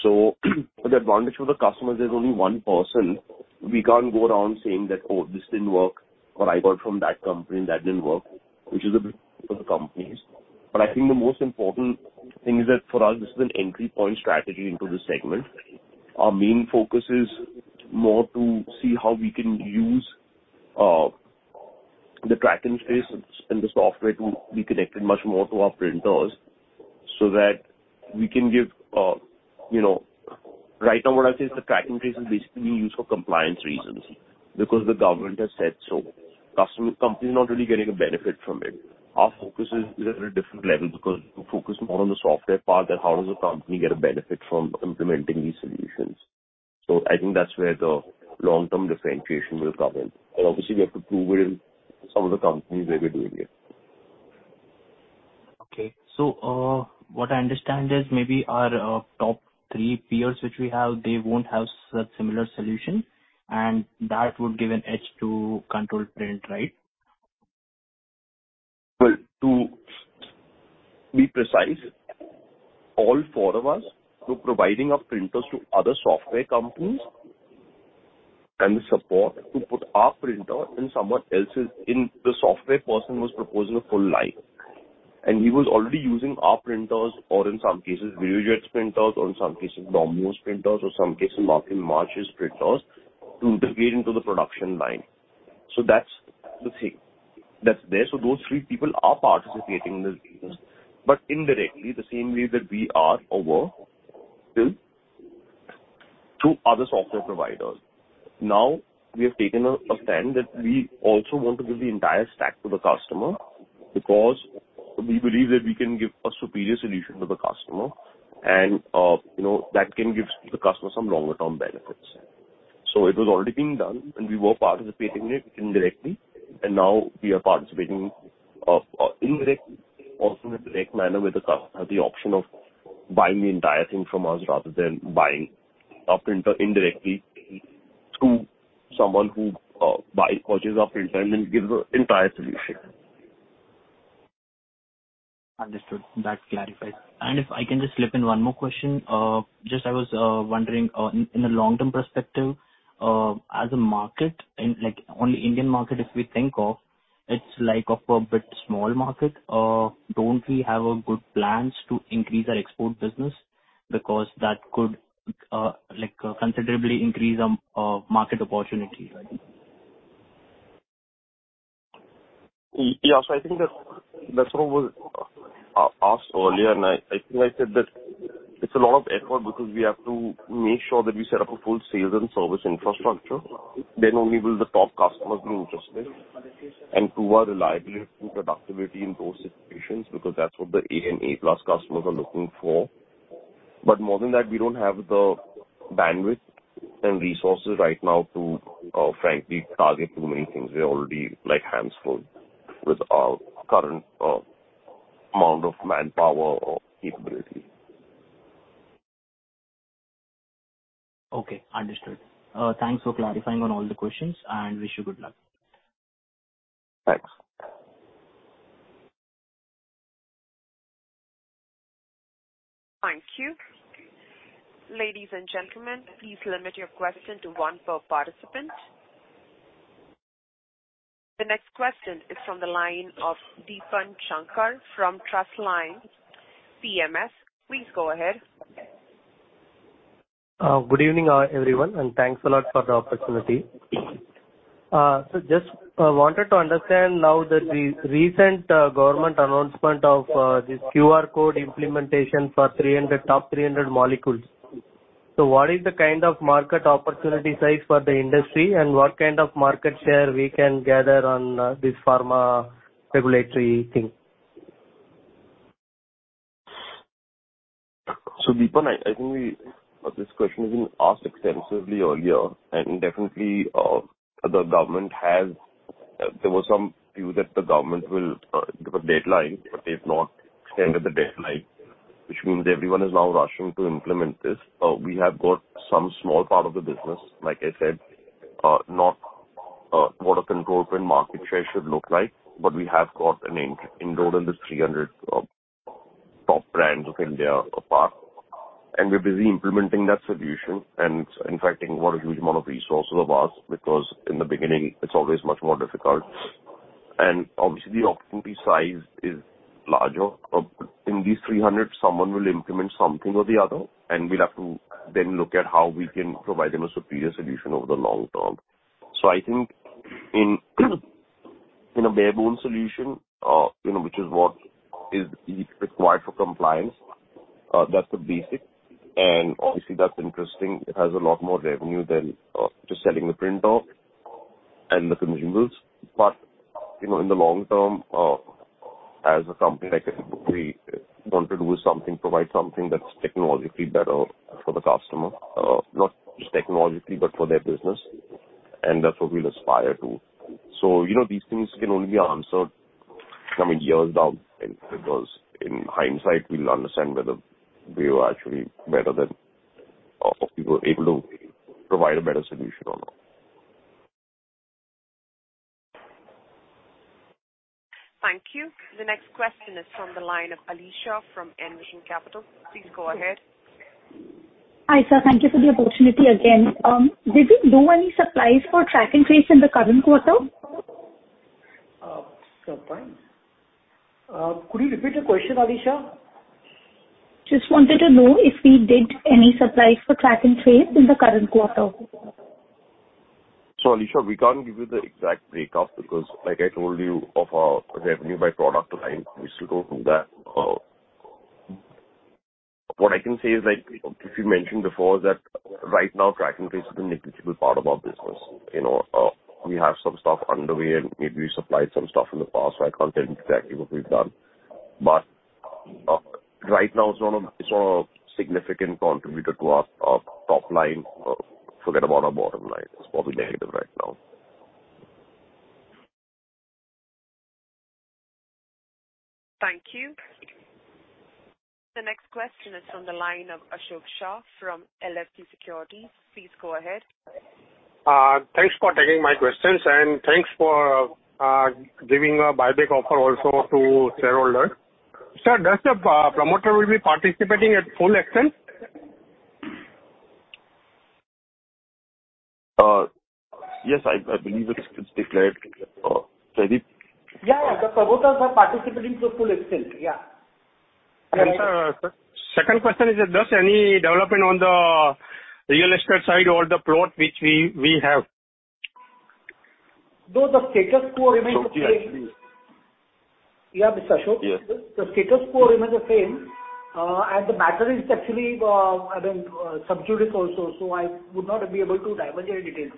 The advantage for the customers, there's only one person. We can't go around saying that: "Oh, this didn't work, or I got from that company, and that didn't work," which is a bit for the companies. I think the most important thing is that for us, this is an entry point strategy into this segment. Our main focus is more to see how we can use the tracking space and the software to be connected much more to our printers so that we can give. You know, right now, what I say is the tracking space is basically used for compliance reasons because the government has said so. Companies are not really getting a benefit from it. Our focus is, is at a different level, because we focus more on the software part and how does the company get a benefit from implementing these solutions. I think that's where the long-term differentiation will come in, and obviously, we have to prove it in some of the companies where we're doing it. Okay. What I understand is maybe our top three peers, which we have, they won't have such similar solution, and that would give an edge to Control Print, right? Well, to be precise, all four of us were providing our printers to other software companies. The support to put our printer in someone else's. In the software person was proposing a full line. He was already using our printers or in some cases, Videojet's printers, or in some cases, Domino's printers, or in some cases, Markem-Imaje's printers, to integrate into the production line. That's the thing. That's there. Those three people are participating in this, but indirectly, the same way that we are or were still, two other software providers. Now, we have taken a stand that we also want to give the entire stack to the customer because we believe that we can give a superior solution to the customer, and, you know, that can give the customer some longer-term benefits. It was already being done, and we were participating in it indirectly, and now we are participating indirectly, also in a direct manner, where the customer have the option of buying the entire thing from us, rather than buying our printer indirectly through someone who purchases our printer and then gives the entire solution. Understood. That clarifies. If I can just slip in one more question. Just I was wondering, in a long-term perspective, as a market and, like, only Indian market, if we think of, it's like of a bit small market. Don't we have a good plans to increase our export business? That could, like, considerably increase our market opportunity, right? Yeah, so I think that, that's what was asked earlier, and I, I think I said that it's a lot of effort because we have to make sure that we set up a full sales and service infrastructure, then only will the top customers be interested, and prove our reliability and productivity in those situations, because that's what the A and A-plus customers are looking for. More than that, we don't have the bandwidth and resources right now to, frankly, target too many things. We are already, like, hands full with our current amount of manpower or capability. Okay, understood. Thanks for clarifying on all the questions. Wish you good luck. Thanks. Thank you. Ladies and gentlemen, please limit your question to one per participant. The next question is from the line of Deepan Shankar from Trustline PMS. Please go ahead. Good evening, everyone, and thanks a lot for the opportunity. Just wanted to understand now that the recent government announcement of this QR code implementation for 300... top 300 molecules. What is the kind of market opportunity size for the industry, and what kind of market share we can gather on this pharma regulatory thing? Deepan, I, I think we this question has been asked extensively earlier, and definitely, the government has there were some view that the government will give a deadline, but they've not extended the deadline, which means everyone is now rushing to implement this. We have got some small part of the business, like I said, not what a Control Print market share should look like, but we have got an in-endowed in this 300 top brands of India apart. We're busy implementing that solution and, in fact, taking what a huge amount of resources of us, because in the beginning, it's always much more difficult. Obviously, the opportunity size is larger. In these 300, someone will implement something or the other, and we'll have to then look at how we can provide them a superior solution over the long term. I think in, in a barebone solution, you know, which is what is required for compliance, that's the basic. Obviously, that's interesting. It has a lot more revenue than just selling the printer and the consumables. You know, in the long term, as a company, like, we want to do something, provide something that's technologically better for the customer. Not just technologically, but for their business, and that's what we aspire to. You know, these things can only be answered some years down the line, because in hindsight, we'll understand whether we were actually better than if we were able to provide a better solution or not. Thank you. The next question is from the line of Alisha from Envision Capital. Please go ahead. Hi, sir. Thank you for the opportunity again. Did we do any supplies for Track and Trace in the current quarter? Fine. Could you repeat your question, Alisha? Just wanted to know if we did any supplies for Track and Trace in the current quarter. Alisha, we can't give you the exact breakup, because like I told you, of our revenue by product line, we still don't do that. What I can say is, like, if you mentioned before, that right now, track and trace is a negligible part of our business. You know, we have some stuff underway, and maybe we supplied some stuff in the past, so I can't tell you exactly what we've done. Right now, it's not a, it's not a significant contributor to our, our top line. Forget about our bottom line. It's probably negative right now. Thank you. The next question is from the line of Ashok Shah from LKP Securities. Please go ahead. Thanks for taking my questions, and thanks for giving a buyback offer also to shareholder. Sir, does the promoter will be participating at full extent? Yes, I, I believe it's, it's declared. Jaideep? Yeah, yeah. The promoters are participating to full extent. Yeah. Sir, second question is that, there's any development on the real estate side or the plot which we, we have? No, the status quo remains the same. Okay. Yeah, Mr. Ashok. Yes. The status quo remains the same, and the matter is actually, I mean, sub judice also, so I would not be able to divulge any details.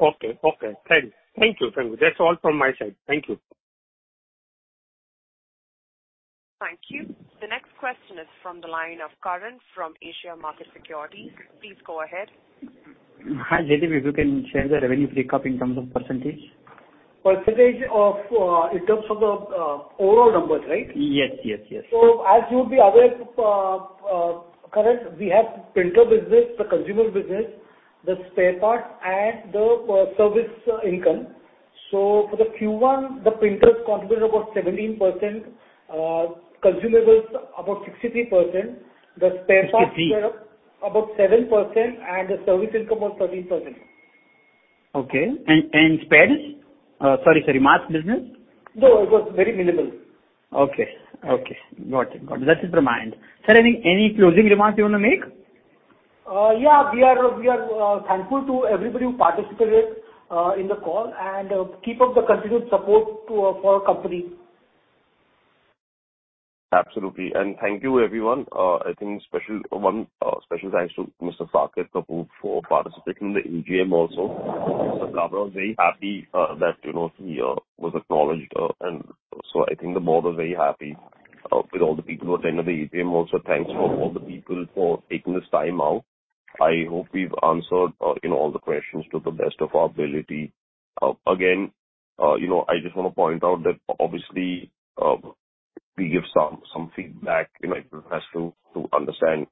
Okay. Okay. Thank you. Thank you, thank you. That's all from my side. Thank you. Thank you. The next question is from the line of Karan from Asia Market Securities. Please go ahead. Hi, Jaipreet, if you can share the revenue break up in terms of percentage. Percentage of, in terms of the, overall numbers, right? Yes, yes, yes. As you'll be aware, Karan, we have printer business, the consumer business, the spare parts, and the service income. For the Q1, the printers contributed about 17%, consumables about 63%, the spare parts- 63? about 7%, and the service income, about 13%. Okay. and spares? sorry, sorry, marks business? No, it was very minimal. Okay, okay. Got it, got it. That's just my mind. Sir, any, any closing remarks you want to make? Yeah, we are, we are thankful to everybody who participated in the call, and keep up the continued support to for our company. Absolutely. Thank you, everyone. I think special one, special thanks to Mr. Saket Kapoor for participating in the AGM also. Karan was very happy, that, you know, he was acknowledged, I think the board was very happy with all the people attending the AGM also. Thanks for all the people for taking this time out. I hope we've answered, you know, all the questions to the best of our ability. Again, you know, I just want to point out that obviously, we give some, some feedback. You know, it has to, to understand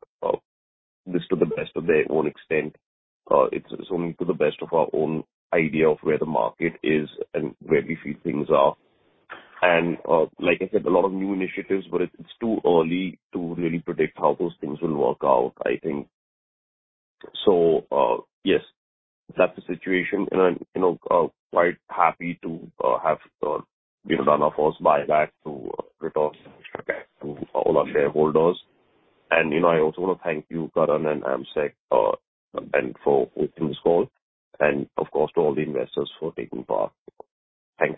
this to the best of their own extent. It's only to the best of our own idea of where the market is and where we feel things are. Like I said, a lot of new initiatives, but it's, it's too early to really predict how those things will work out, I think. Yes, that's the situation, and I'm, you know, quite happy to have, you know, done our first buyback to return to all our shareholders. You know, I also want to thank you, Karan and Ashok, and for opening this call, and of course, to all the investors for taking part. Thank you.